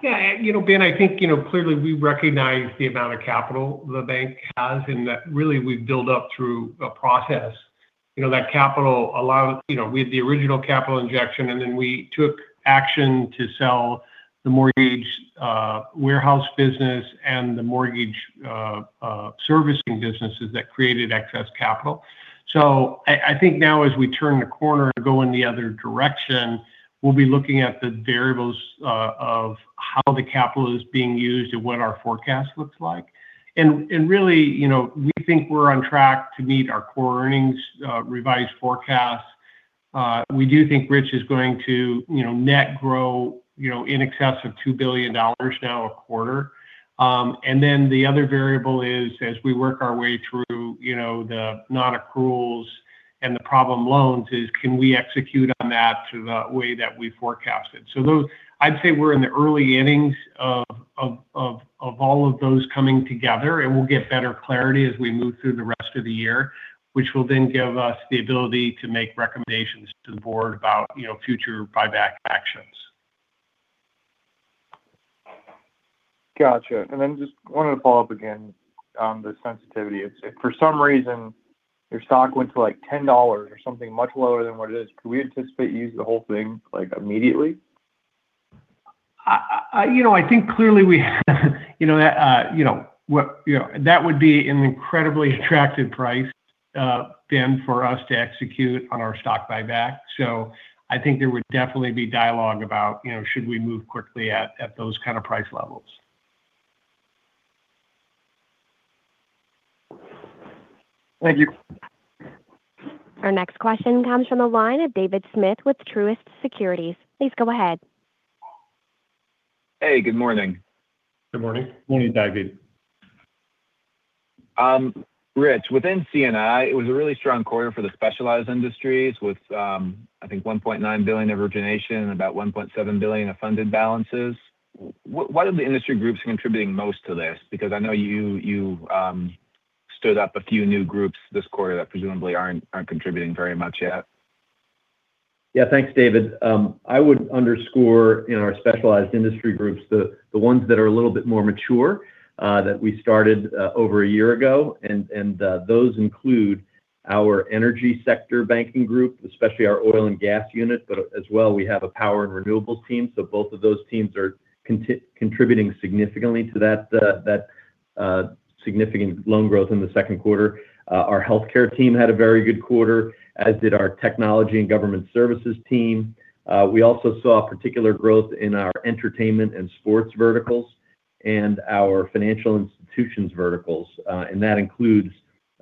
Yeah. Ben, I think clearly we recognize the amount of capital the bank has, that really we've built up through a process. We had the original capital injection, then we took action to sell the mortgage warehouse business and the mortgage servicing businesses that created excess capital. I think now as we turn the corner and go in the other direction, we'll be looking at the variables of how the capital is being used and what our forecast looks like. Really, we think we're on track to meet our core earnings revised forecast. We do think Rich is going to net grow in excess of $2 billion now a quarter. Then the other variable is, as we work our way through the non-accruals and the problem loans is can we execute on that to the way that we forecasted. I'd say we're in the early innings of all of those coming together, we'll get better clarity as we move through the rest of the year, which will then give us the ability to make recommendations to the Board about future buyback actions. Got you. Just wanted to follow up again on the sensitivity. If for some reason your stock went to $10 or something much lower than what it is, could we anticipate you use the whole thing immediately? I think clearly that would be an incredibly attractive price, Ben, for us to execute on our stock buyback. I think there would definitely be dialogue about should we move quickly at those kind of price levels. Thank you. Our next question comes from the line of David Smith with Truist Securities. Please go ahead. Hey, good morning. Good morning. Morning, David. Rich, within C&I, it was a really strong quarter for the specialized industries with, I think, $1.9 billion of origination and about $1.7 billion of funded balances. What are the industry groups contributing most to this? I know you stood up a few new groups this quarter that presumably aren't contributing very much yet. Yeah, thanks, David. I would underscore in our specialized industry groups, the ones that are a little bit more mature, that we started over a year ago. Those include our energy sector banking group, especially our oil and gas unit. As well, we have a power and renewables team, both of those teams are contributing significantly to that significant loan growth in the second quarter. Our healthcare team had a very good quarter, as did our technology and government services team. We also saw particular growth in our entertainment and sports verticals. Our financial institutions verticals, that includes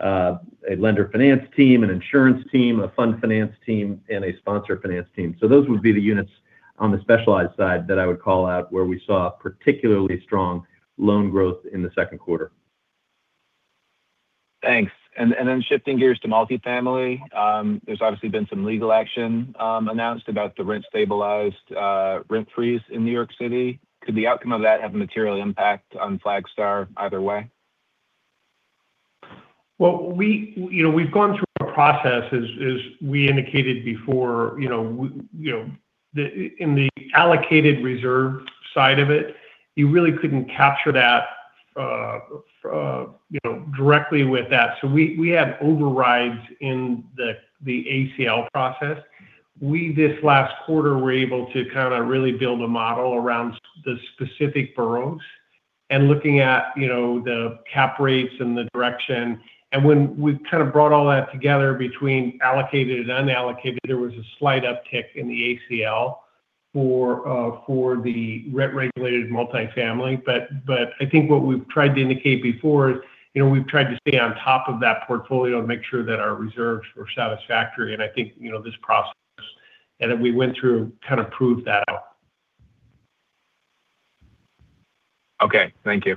a lender finance team, an insurance team, a fund finance team, and a sponsor finance team. Those would be the units on the specialized side that I would call out where we saw particularly strong loan growth in the second quarter. Thanks. Shifting gears to multifamily. There's obviously been some legal action announced about the rent-stabilized rent freeze in New York City. Could the outcome of that have a material impact on Flagstar either way? We've gone through a process as we indicated before. In the allocated reserve side of it, you really couldn't capture that directly with that. We have overrides in the ACL process. We, this last quarter, were able to kind of really build a model around the specific boroughs and looking at the cap rates and the direction. When we kind of brought all that together between allocated and unallocated, there was a slight uptick in the ACL for the rent-regulated multifamily. I think what we've tried to indicate before is we've tried to stay on top of that portfolio to make sure that our reserves were satisfactory. I think this process and that we went through kind of proved that out. Okay, thank you.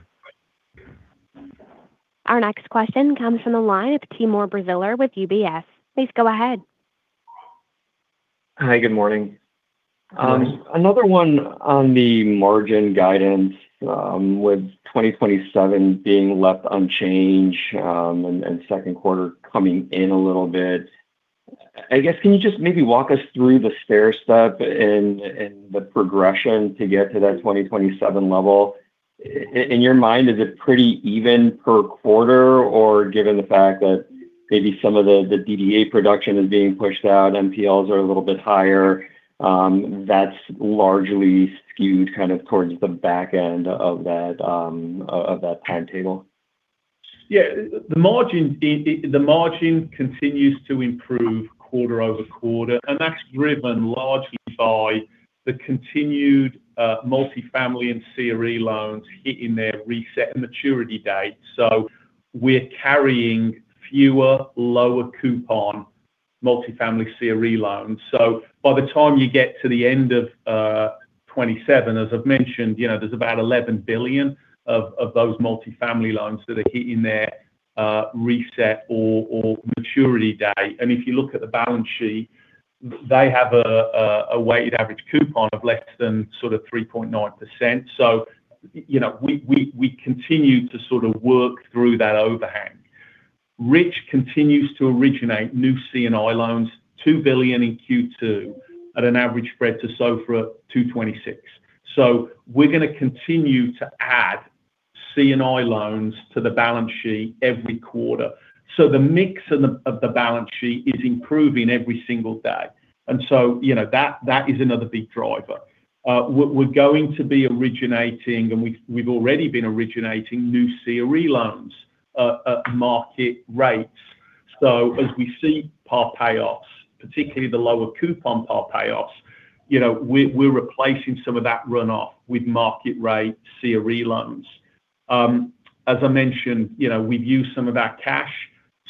Our next question comes from the line of Timur Braziler with UBS. Please go ahead. Hi, good morning. Good morning. Another one on the margin guidance. With 2027 being left unchanged and second quarter coming in a little bit, I guess can you just maybe walk us through the stair step and the progression to get to that 2027 level? In your mind, is it pretty even per quarter? Or given the fact that maybe some of the DDA production is being pushed out, NPLs are a little bit higher, that's largely skewed kind of towards the back end of that pad table? Yeah, the margin continues to improve quarter-over-quarter, and that's driven largely by the continued multifamily and CRE loans hitting their reset and maturity date. We're carrying fewer lower coupon multifamily CRE loans. By the time you get to the end of 2027, as I've mentioned, there's about $11 billion of those multifamily loans that are hitting their reset or maturity date. If you look at the balance sheet, they have a weighted average coupon of less than sort of 3.9%. We continue to sort of work through that overhang. Rich continues to originate new C&I loans, $2 billion in Q2 at an average spread to SOFR of 226 basis points. We're going to continue to add C&I loans to the balance sheet every quarter. The mix of the balance sheet is improving every single day. That is another big driver. We're going to be originating, and we've already been originating new CRE loans at market rates. As we see par payoffs, particularly the lower coupon par payoffs, we're replacing some of that runoff with market rate CRE loans. As I mentioned, we've used some of our cash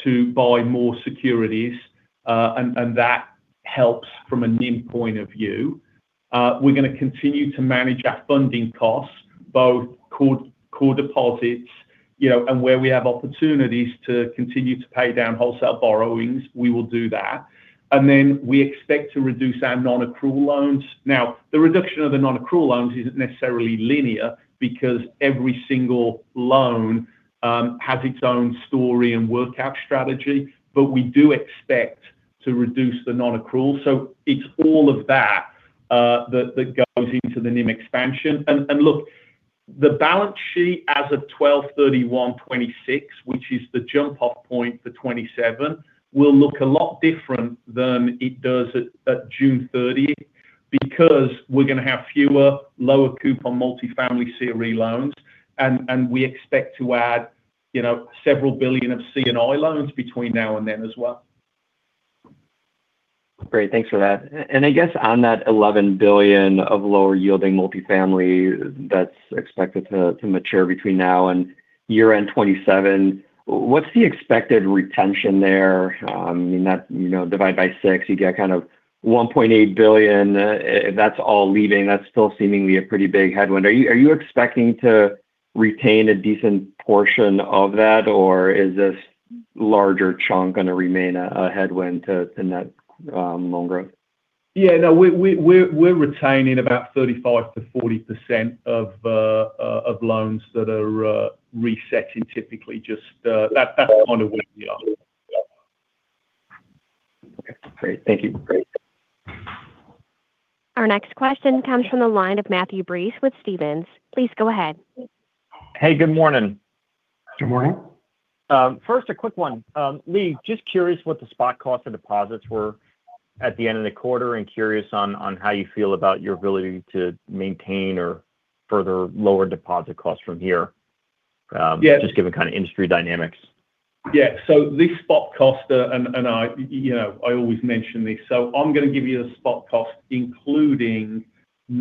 to buy more securities, and that helps from a NIM point of view. We're going to continue to manage our funding costs, both core deposits and where we have opportunities to continue to pay down wholesale borrowings, we will do that. We expect to reduce our non-accrual loans. Now, the reduction of the non-accrual loans isn't necessarily linear because every single loan has its own story and workout strategy, but we do expect to reduce the non-accrual. It's all of that that goes into the NIM expansion. Look, the balance sheet as of 12/31/2026, which is the jump-off point for 2027, will look a lot different than it does at June 30 because we're going to have fewer lower coupon multifamily CRE loans, and we expect to add several billion of C&I loans between now and then as well. Great, thanks for that. I guess on that $11 billion of lower yielding multifamily that's expected to mature between now and year-end 2027, what's the expected retention there? Divide by six, you get kind of $1.8 billion. If that's all leaving, that's still seemingly a pretty big headwind. Are you expecting to retain a decent portion of that, or is this larger chunk going to remain a headwind to net loan growth? Yeah, no, we're retaining about 35%-40% of loans that are resetting typically. Just that's kind of where we are. Okay, great. Thank you. Great. Our next question comes from the line of Matthew Breese with Stephens. Please go ahead. Hey, good morning. Good morning. First, a quick one. Lee, just curious what the spot cost of deposits were at the end of the quarter, and curious on how you feel about your ability to maintain or further lower deposit costs from here given kind of industry dynamics. Yeah. This spot cost, I always mention this, I'm going to give you the spot cost including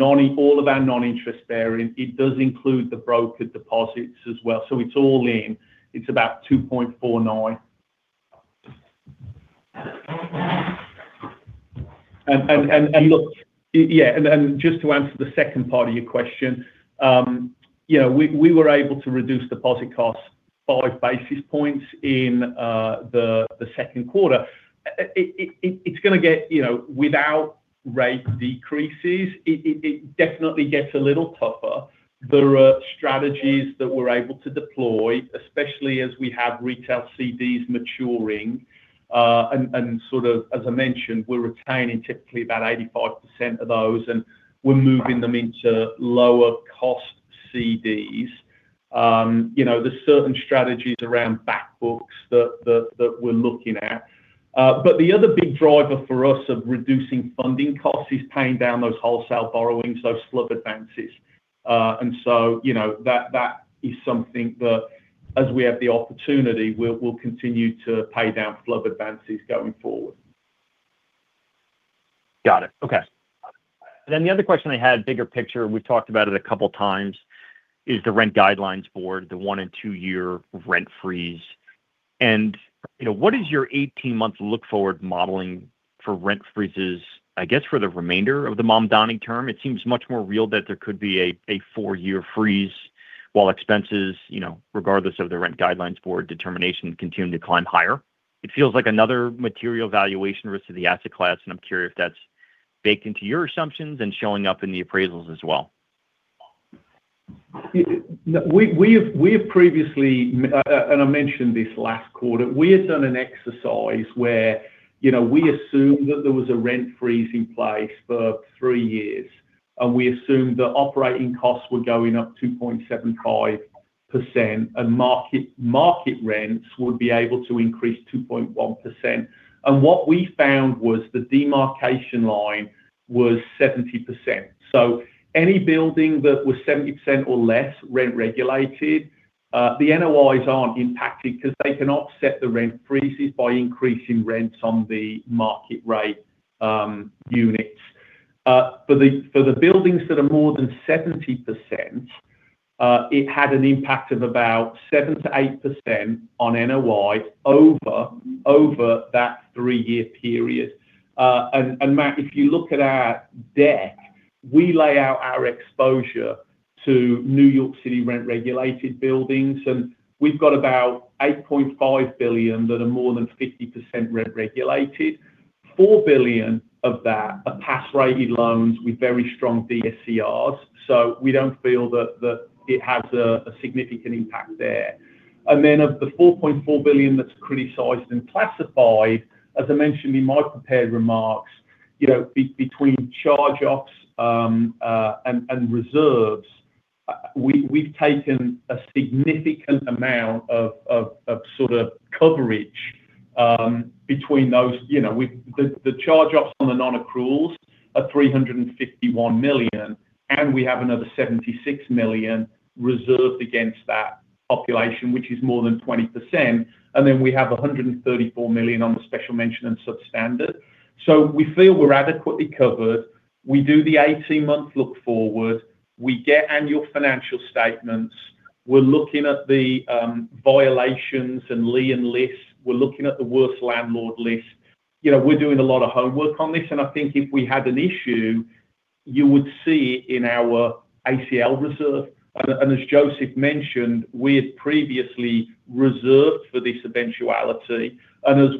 all of our non-interest bearing. It does include the broker deposits as well. It's all in. It's about 2.49%. Look, just to answer the second part of your question, we were able to reduce deposit costs five basis points in the second quarter. Without rate decreases, it definitely gets a little tougher. There are strategies that we're able to deploy, especially as we have retail CDs maturing. As I mentioned, we're retaining typically about 85% of those, and we're moving them into lower cost CDs. There's certain strategies around back books that we're looking at. The other big driver for us of reducing funding costs is paying down those wholesale borrowings, those FHLB advances. That is something that as we have the opportunity, we'll continue to pay down FHLB advances going forward. Got it. Okay. The other question I had, bigger picture, we've talked about it a couple of times, is the Rent Guidelines Board, the one- and two-year rent freeze. What is your 18-month look-forward modeling for rent freezes, I guess, for the remainder of the Mamdani-term? It seems much more real that there could be a four-year freeze while expenses, regardless of the Rent Guidelines Board determination continue to climb higher. It feels like another material valuation risk to the asset class, and I'm curious if that's baked into your assumptions and showing up in the appraisals as well. We have previously, I mentioned this last quarter, we had done an exercise where we assumed that there was a rent freeze in place for three years, and we assumed that operating costs were going up 2.75%, and market rents would be able to increase 2.1%. What we found was the demarcation line was 70%. Any building that was 70% or less rent regulated, the NOIs aren't impacted because they can offset the rent freezes by increasing rents on the market rate units. For the buildings that are more than 70%, it had an impact of about 7%-8% on NOI over that three-year period. Matt, if you look at our deck, we lay out our exposure to New York City rent-regulated buildings, and we've got about $8.5 billion that are more than 50% rent regulated. $4 billion of that are pass-rated loans with very strong DSCRs. We don't feel that it has a significant impact there. Of the $4.4 billion that's criticized and classified, as I mentioned in my prepared remarks, between charge-offs and reserves, we've taken a significant amount of sort of coverage between those. The charge-offs on the non-accruals are $351 million. We have another $76 million reserved against that population, which is more than 20%. We have $134 million on the special mention and substandard. We feel we're adequately covered. We do the 18-month look-forward. We get annual financial statements. We're looking at the violations and lien lists. We're looking at the worst landlord list. We're doing a lot of homework on this, and I think if we had an issue, you would see it in our ACL reserve. As Joseph mentioned, we had previously reserved for this eventuality. As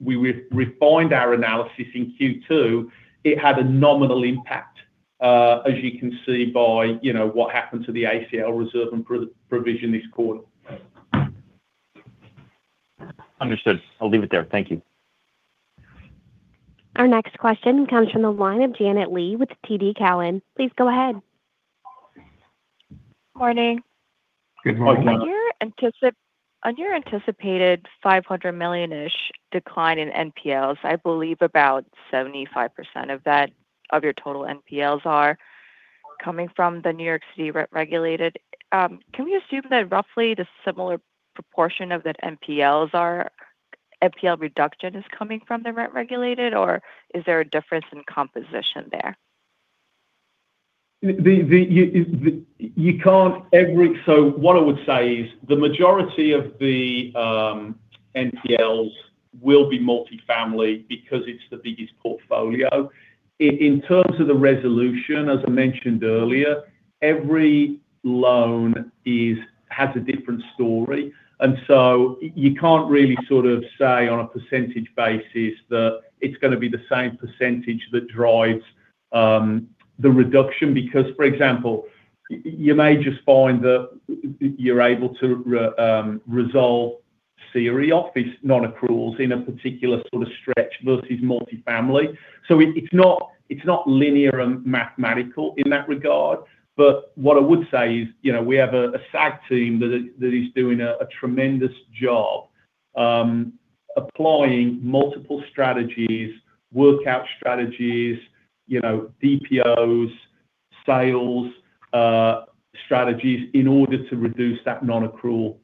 we refined our analysis in Q2, it had a nominal impact, as you can see by what happened to the ACL reserve and provision this quarter. Understood. I'll leave it there. Thank you. Our next question comes from the line of Janet Lee with TD Cowen. Please go ahead. Morning. Good morning. On your anticipated $500 million-ish decline in NPLs, I believe about 75% of your total NPLs are coming from the New York City rent regulated. Can we assume that roughly the similar proportion of that NPL reduction is coming from the rent regulated, or is there a difference in composition there? What I would say is the majority of the NPLs will be multifamily because it's the biggest portfolio. In terms of the resolution, as I mentioned earlier, every loan has a different story. You can't really sort of say on a percentage basis that it's going to be the same percentage that drives the reduction because, for example, you may just find that you're able to resolve CRE office non-accruals in a particular sort of stretch versus multifamily. It's not linear and mathematical in that regard. What I would say is we have a SAG team that is doing a tremendous job. Applying multiple strategies, workout strategies, DPOs, sales strategies, in order to reduce that non-accrual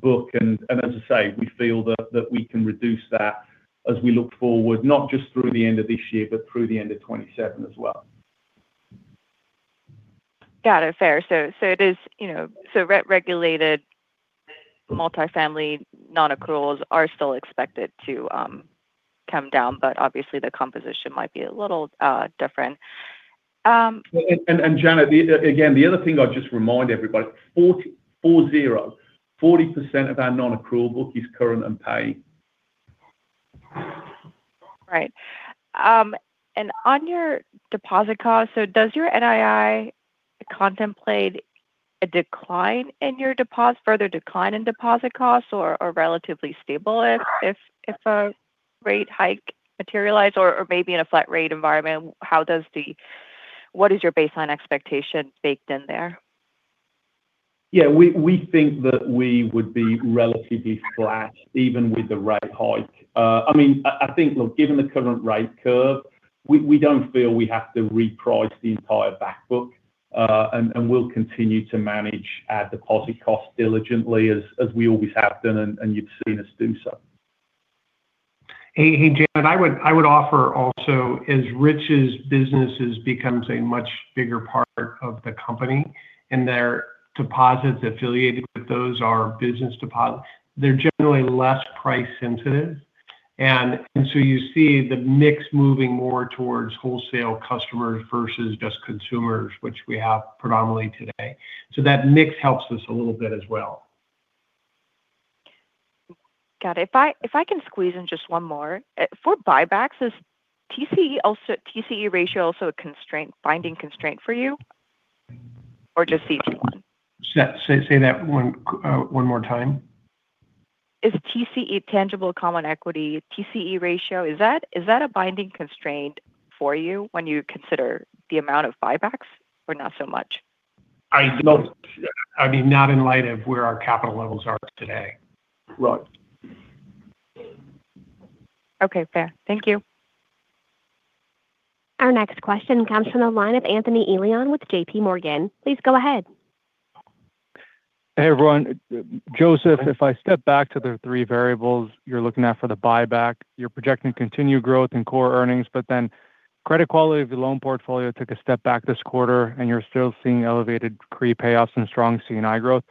book. As I say, we feel that we can reduce that as we look forward, not just through the end of this year, but through the end of 2027 as well. Got it. Fair. Regulated multi-family non-accruals are still expected to come down, but obviously the composition might be a little different. Janet, again, the other thing I'd just remind everybody, 40% of our non-accrual book is current and paid. On your deposit cost, does your NII contemplate a further decline in deposit costs or relatively stable if a rate hike materialize or maybe in a flat rate environment? What is your baseline expectation baked in there? Yeah. We think that we would be relatively flat even with the rate hike. I think, given the current rate curve, we don't feel we have to reprice the entire back book. We'll continue to manage our deposit costs diligently as we always have done, and you've seen us do so. Hey, Janet, I would offer also as Rich's businesses becomes a much bigger part of the company, and their deposits affiliated with those are business deposits. They're generally less price sensitive. You see the mix moving more towards wholesale customers versus just consumers, which we have predominantly today. That mix helps us a little bit as well. Got it. If I can squeeze in just one more. For buybacks, is TCE ratio also a binding constraint for you or just CET1? Say that one more time? Is TCE, tangible common equity, TCE ratio, is that a binding constraint for you when you consider the amount of buybacks or not so much? I mean, not in light of where our capital levels are today. Right. Okay, fair. Thank you. Our next question comes from the line of Anthony Elian with JPMorgan. Please go ahead. Hey, everyone. Joseph, if I step back to the three variables you're looking at for the buyback, you're projecting continued growth in core earnings, credit quality of your loan portfolio took a step back this quarter, you're still seeing elevated prepayoffs and strong C&I growth.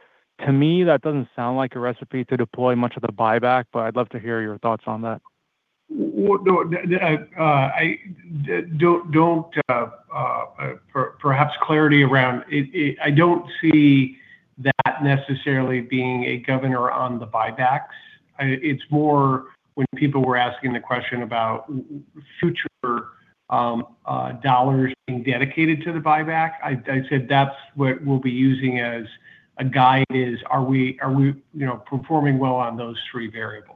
To me, that doesn't sound like a recipe to deploy much of the buyback, I'd love to hear your thoughts on that. I don't see that necessarily being a governor on the buybacks. It's more when people were asking the question about future dollars being dedicated to the buyback. I said that's what we'll be using as a guide is, are we performing well on those three variables.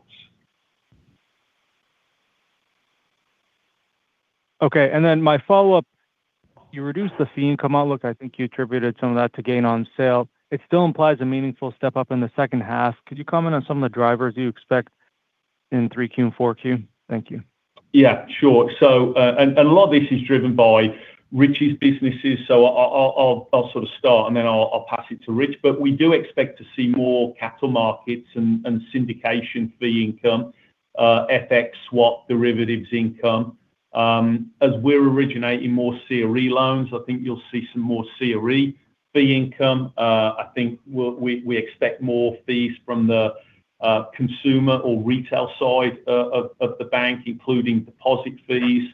Okay. My follow-up, you reduced the fee income outlook. I think you attributed some of that to gain on sale. It still implies a meaningful step-up in the second half. Could you comment on some of the drivers you expect in 3Q and 4Q? Thank you. Yeah, sure. A lot of this is driven by Rich's businesses. I'll start and then I'll pass it to Rich. We do expect to see more capital markets and syndication fee income, FX swap derivatives income. As we're originating more CRE loans, I think you'll see some more CRE fee income. I think we expect more fees from the consumer or retail side of the bank, including deposit fees.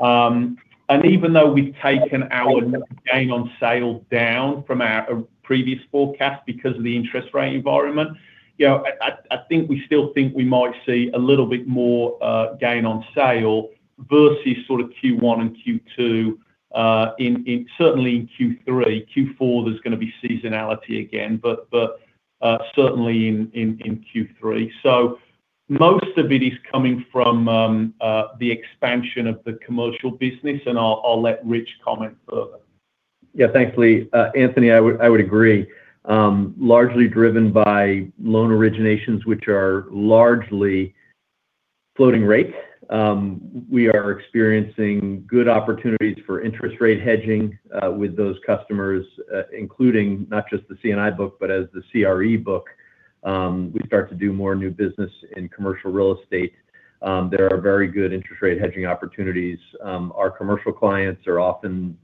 Even though we've taken our gain on sale down from our previous forecast because of the interest rate environment, I think we still think we might see a little bit more gain on sale versus Q1 and Q2, certainly in Q3. Q4, there's going to be seasonality again, but certainly in Q3. Most of it is coming from the expansion of the commercial business, and I'll let Rich comment further. Yeah. Thanks, Lee. Anthony, I would agree. Largely driven by loan originations, which are largely floating rate. We are experiencing good opportunities for interest rate hedging with those customers, including not just the C&I book, but as the CRE book. We start to do more new business in commercial real estate. There are very good interest rate hedging opportunities. Our commercial clients are often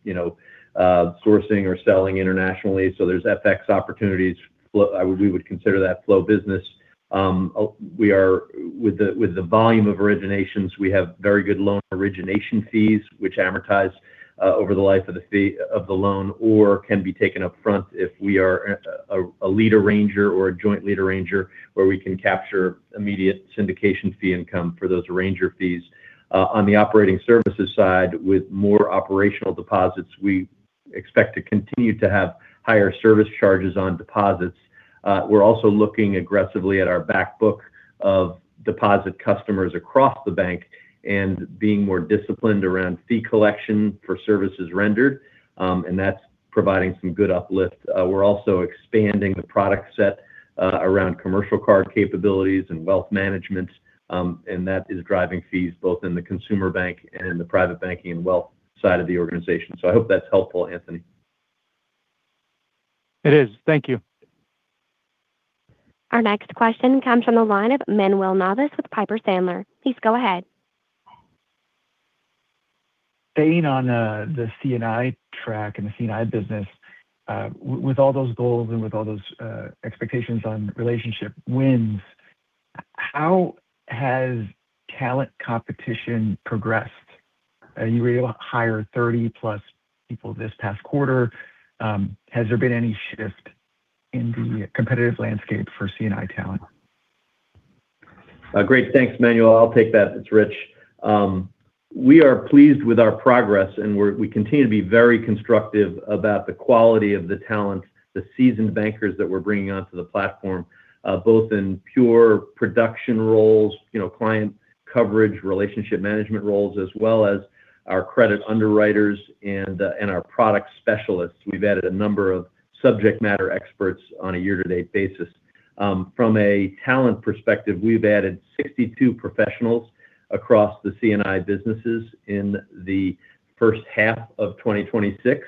sourcing or selling internationally, so there's FX opportunities. We would consider that flow business. With the volume of originations, we have very good loan origination fees which amortize over the life of the loan or can be taken up front if we are a lead arranger or a joint lead arranger where we can capture immediate syndication fee income for those arranger fees. On the operating services side, with more operational deposits, we expect to continue to have higher service charges on deposits. We're also looking aggressively at our back book of deposit customers across the bank and being more disciplined around fee collection for services rendered, and that's providing some good uplift. We're also expanding the product set around commercial card capabilities and wealth management, and that is driving fees both in the consumer bank and the private banking and wealth side of the organization. I hope that's helpful, Anthony. It is. Thank you. Our next question comes from the line of Manuel Navas with Piper Sandler. Please go ahead. Staying on the C&I track and the C&I business, with all those goals and with all those expectations on relationship wins, how has talent competition progressed? You were able to hire 30-plus people this past quarter. Has there been any shift in the competitive landscape for C&I talent? Great. Thanks, Manuel. I'll take that. It's Rich. We are pleased with our progress, we continue to be very constructive about the quality of the talent, the seasoned bankers that we're bringing onto the platform, both in pure production roles, client coverage, relationship management roles, as well as our credit underwriters and our product specialists. We've added a number of subject matter experts on a year-to-date basis. From a talent perspective, we've added 62 professionals across the C&I businesses in the first half of 2026.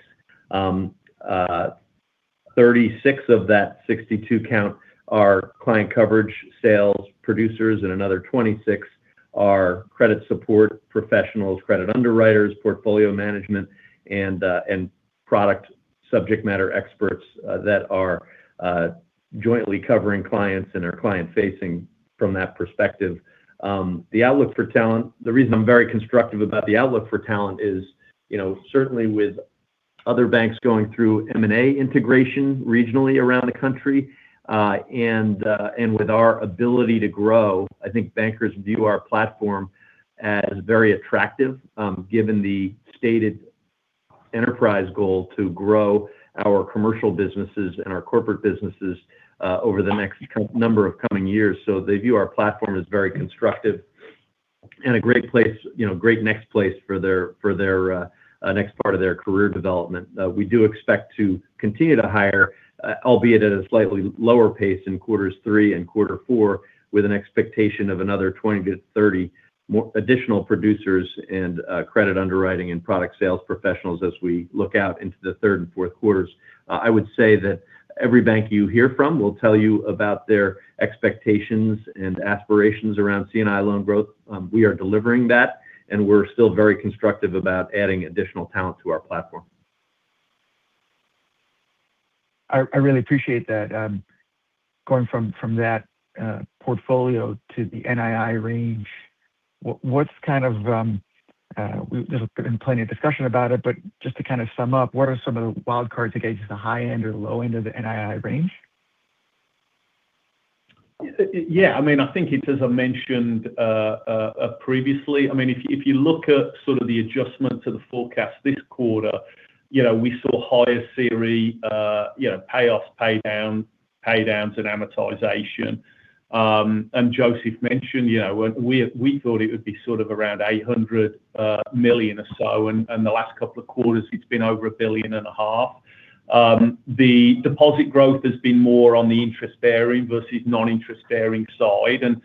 36 of that 62 count are client coverage sales producers, another 26 are credit support professionals, credit underwriters, portfolio management, and product subject matter experts that are jointly covering clients and are client facing from that perspective. The reason I'm very constructive about the outlook for talent is certainly with other banks going through M&A integration regionally around the country, with our ability to grow, I think bankers view our platform as very attractive given the stated enterprise goal to grow our commercial businesses and our corporate businesses over the next number of coming years. They view our platform as very constructive and a great next place for their next part of their career development. We do expect to continue to hire, albeit at a slightly lower pace in quarters three and quarter four, with an expectation of another 20 to 30 additional producers and credit underwriting and product sales professionals as we look out into the third and fourth quarters. I would say that every bank you hear from will tell you about their expectations and aspirations around C&I loan growth. We are delivering that, and we're still very constructive about adding additional talent to our platform. I really appreciate that. Going from that portfolio to the NII range, there's been plenty of discussion about it, just to kind of sum up, what are some of the wild cards that gauge the high end or low end of the NII range? Yeah. I think it's as I mentioned previously, if you look at sort of the adjustment to the forecast this quarter, we saw higher CRE payoffs, pay downs, and amortization. Joseph mentioned we thought it would be sort of around $800 million or so, and the last couple of quarters, it's been over $1.5 billion. The deposit growth has been more on the interest-bearing versus non-interest-bearing side.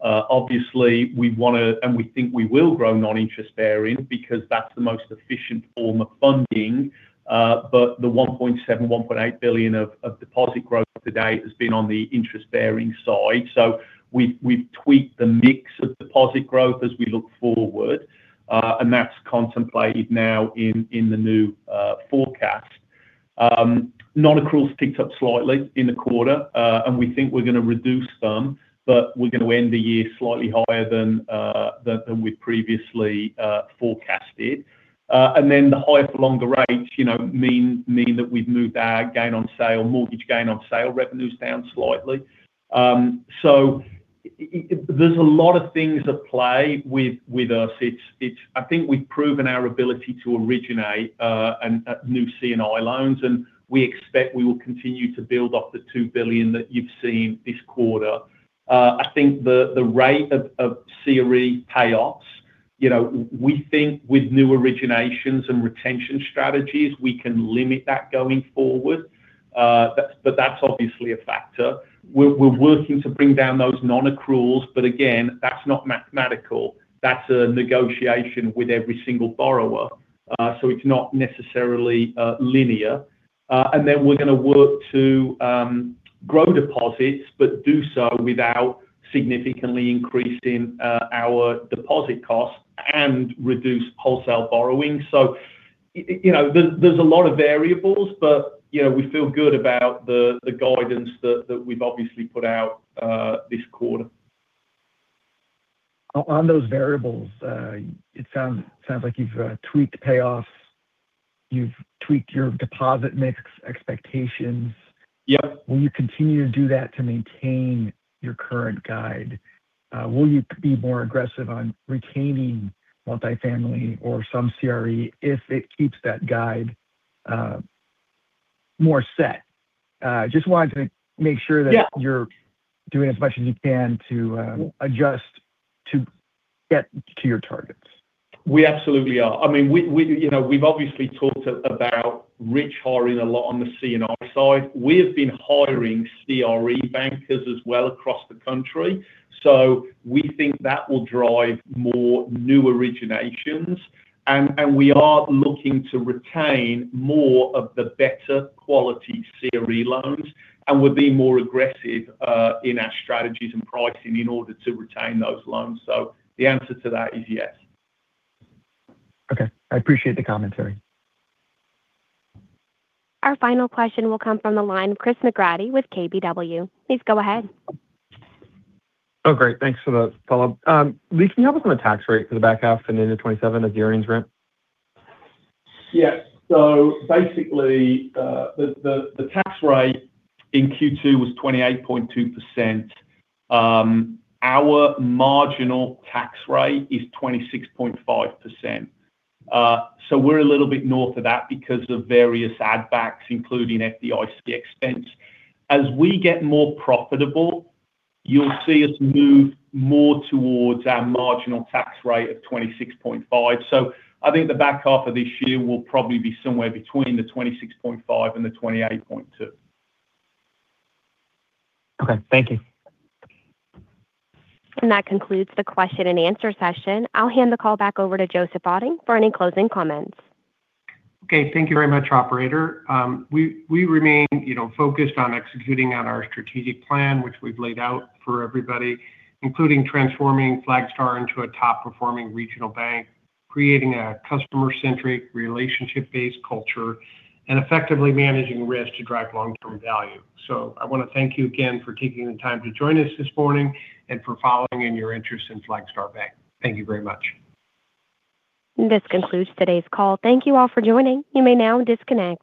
Obviously, we want to, and we think we will grow non-interest-bearing because that's the most efficient form of funding. The $1.7 billion-$1.8 billion of deposit growth to date has been on the interest-bearing side. We've tweaked the mix of deposit growth as we look forward, and that's contemplated now in the new forecast. Nonaccruals ticked up slightly in the quarter, we think we're going to reduce some, we're going to end the year slightly higher than we'd previously forecasted. The higher for longer rates mean that we've moved our gain on sale, mortgage gain on sale revenues down slightly. There's a lot of things at play with us. I think we've proven our ability to originate new C&I loans, and we expect we will continue to build off the $2 billion that you've seen this quarter. I think the rate of CRE payoffs, we think with new originations and retention strategies, we can limit that going forward. That's obviously a factor. We're working to bring down those nonaccruals. Again, that's not mathematical. That's a negotiation with every single borrower. It's not necessarily linear. We're going to work to grow deposits, but do so without significantly increasing our deposit costs and reduce wholesale borrowing. There's a lot of variables, but we feel good about the guidance that we've obviously put out this quarter. On those variables, it sounds like you've tweaked payoffs, you've tweaked your deposit mix expectations. Yep. Will you continue to do that to maintain your current guide? Will you be more aggressive on retaining multifamily or some CRE if it keeps that guide more set? Yeah You're doing as much as you can to adjust to get to your targets. We absolutely are. We have obviously talked about Rich hiring a lot on the C&I side. We have been hiring CRE bankers as well across the country. We think that will drive more new originations. We are looking to retain more of the better quality CRE loans. We are being more aggressive in our strategies and pricing in order to retain those loans. The answer to that is yes. Okay. I appreciate the commentary. Our final question will come from the line, Chris McGratty with KBW. Please go ahead. Great. Thanks for the follow-up. Lee, can you help us on the tax rate for the back half and into 2027 as year-ends ramp? Basically, the tax rate in Q2 was 28.2%. Our marginal tax rate is 26.5%. We're a little bit north of that because of various add backs, including FDIC expense. As we get more profitable, you'll see us move more towards our marginal tax rate of 26.5%. I think the back half of this year will probably be somewhere between the 26.5% and the 28.2%. Thank you. That concludes the question-and-answer session. I'll hand the call back over to Joseph Otting for any closing comments. Thank you very much, operator. We remain focused on executing on our strategic plan, which we've laid out for everybody, including transforming Flagstar into a top-performing regional bank, creating a customer-centric, relationship-based culture, and effectively managing risk to drive long-term value. I want to thank you again for taking the time to join us this morning and for following in your interest in Flagstar Bank. Thank you very much. This concludes today's call. Thank you all for joining. You may now disconnect.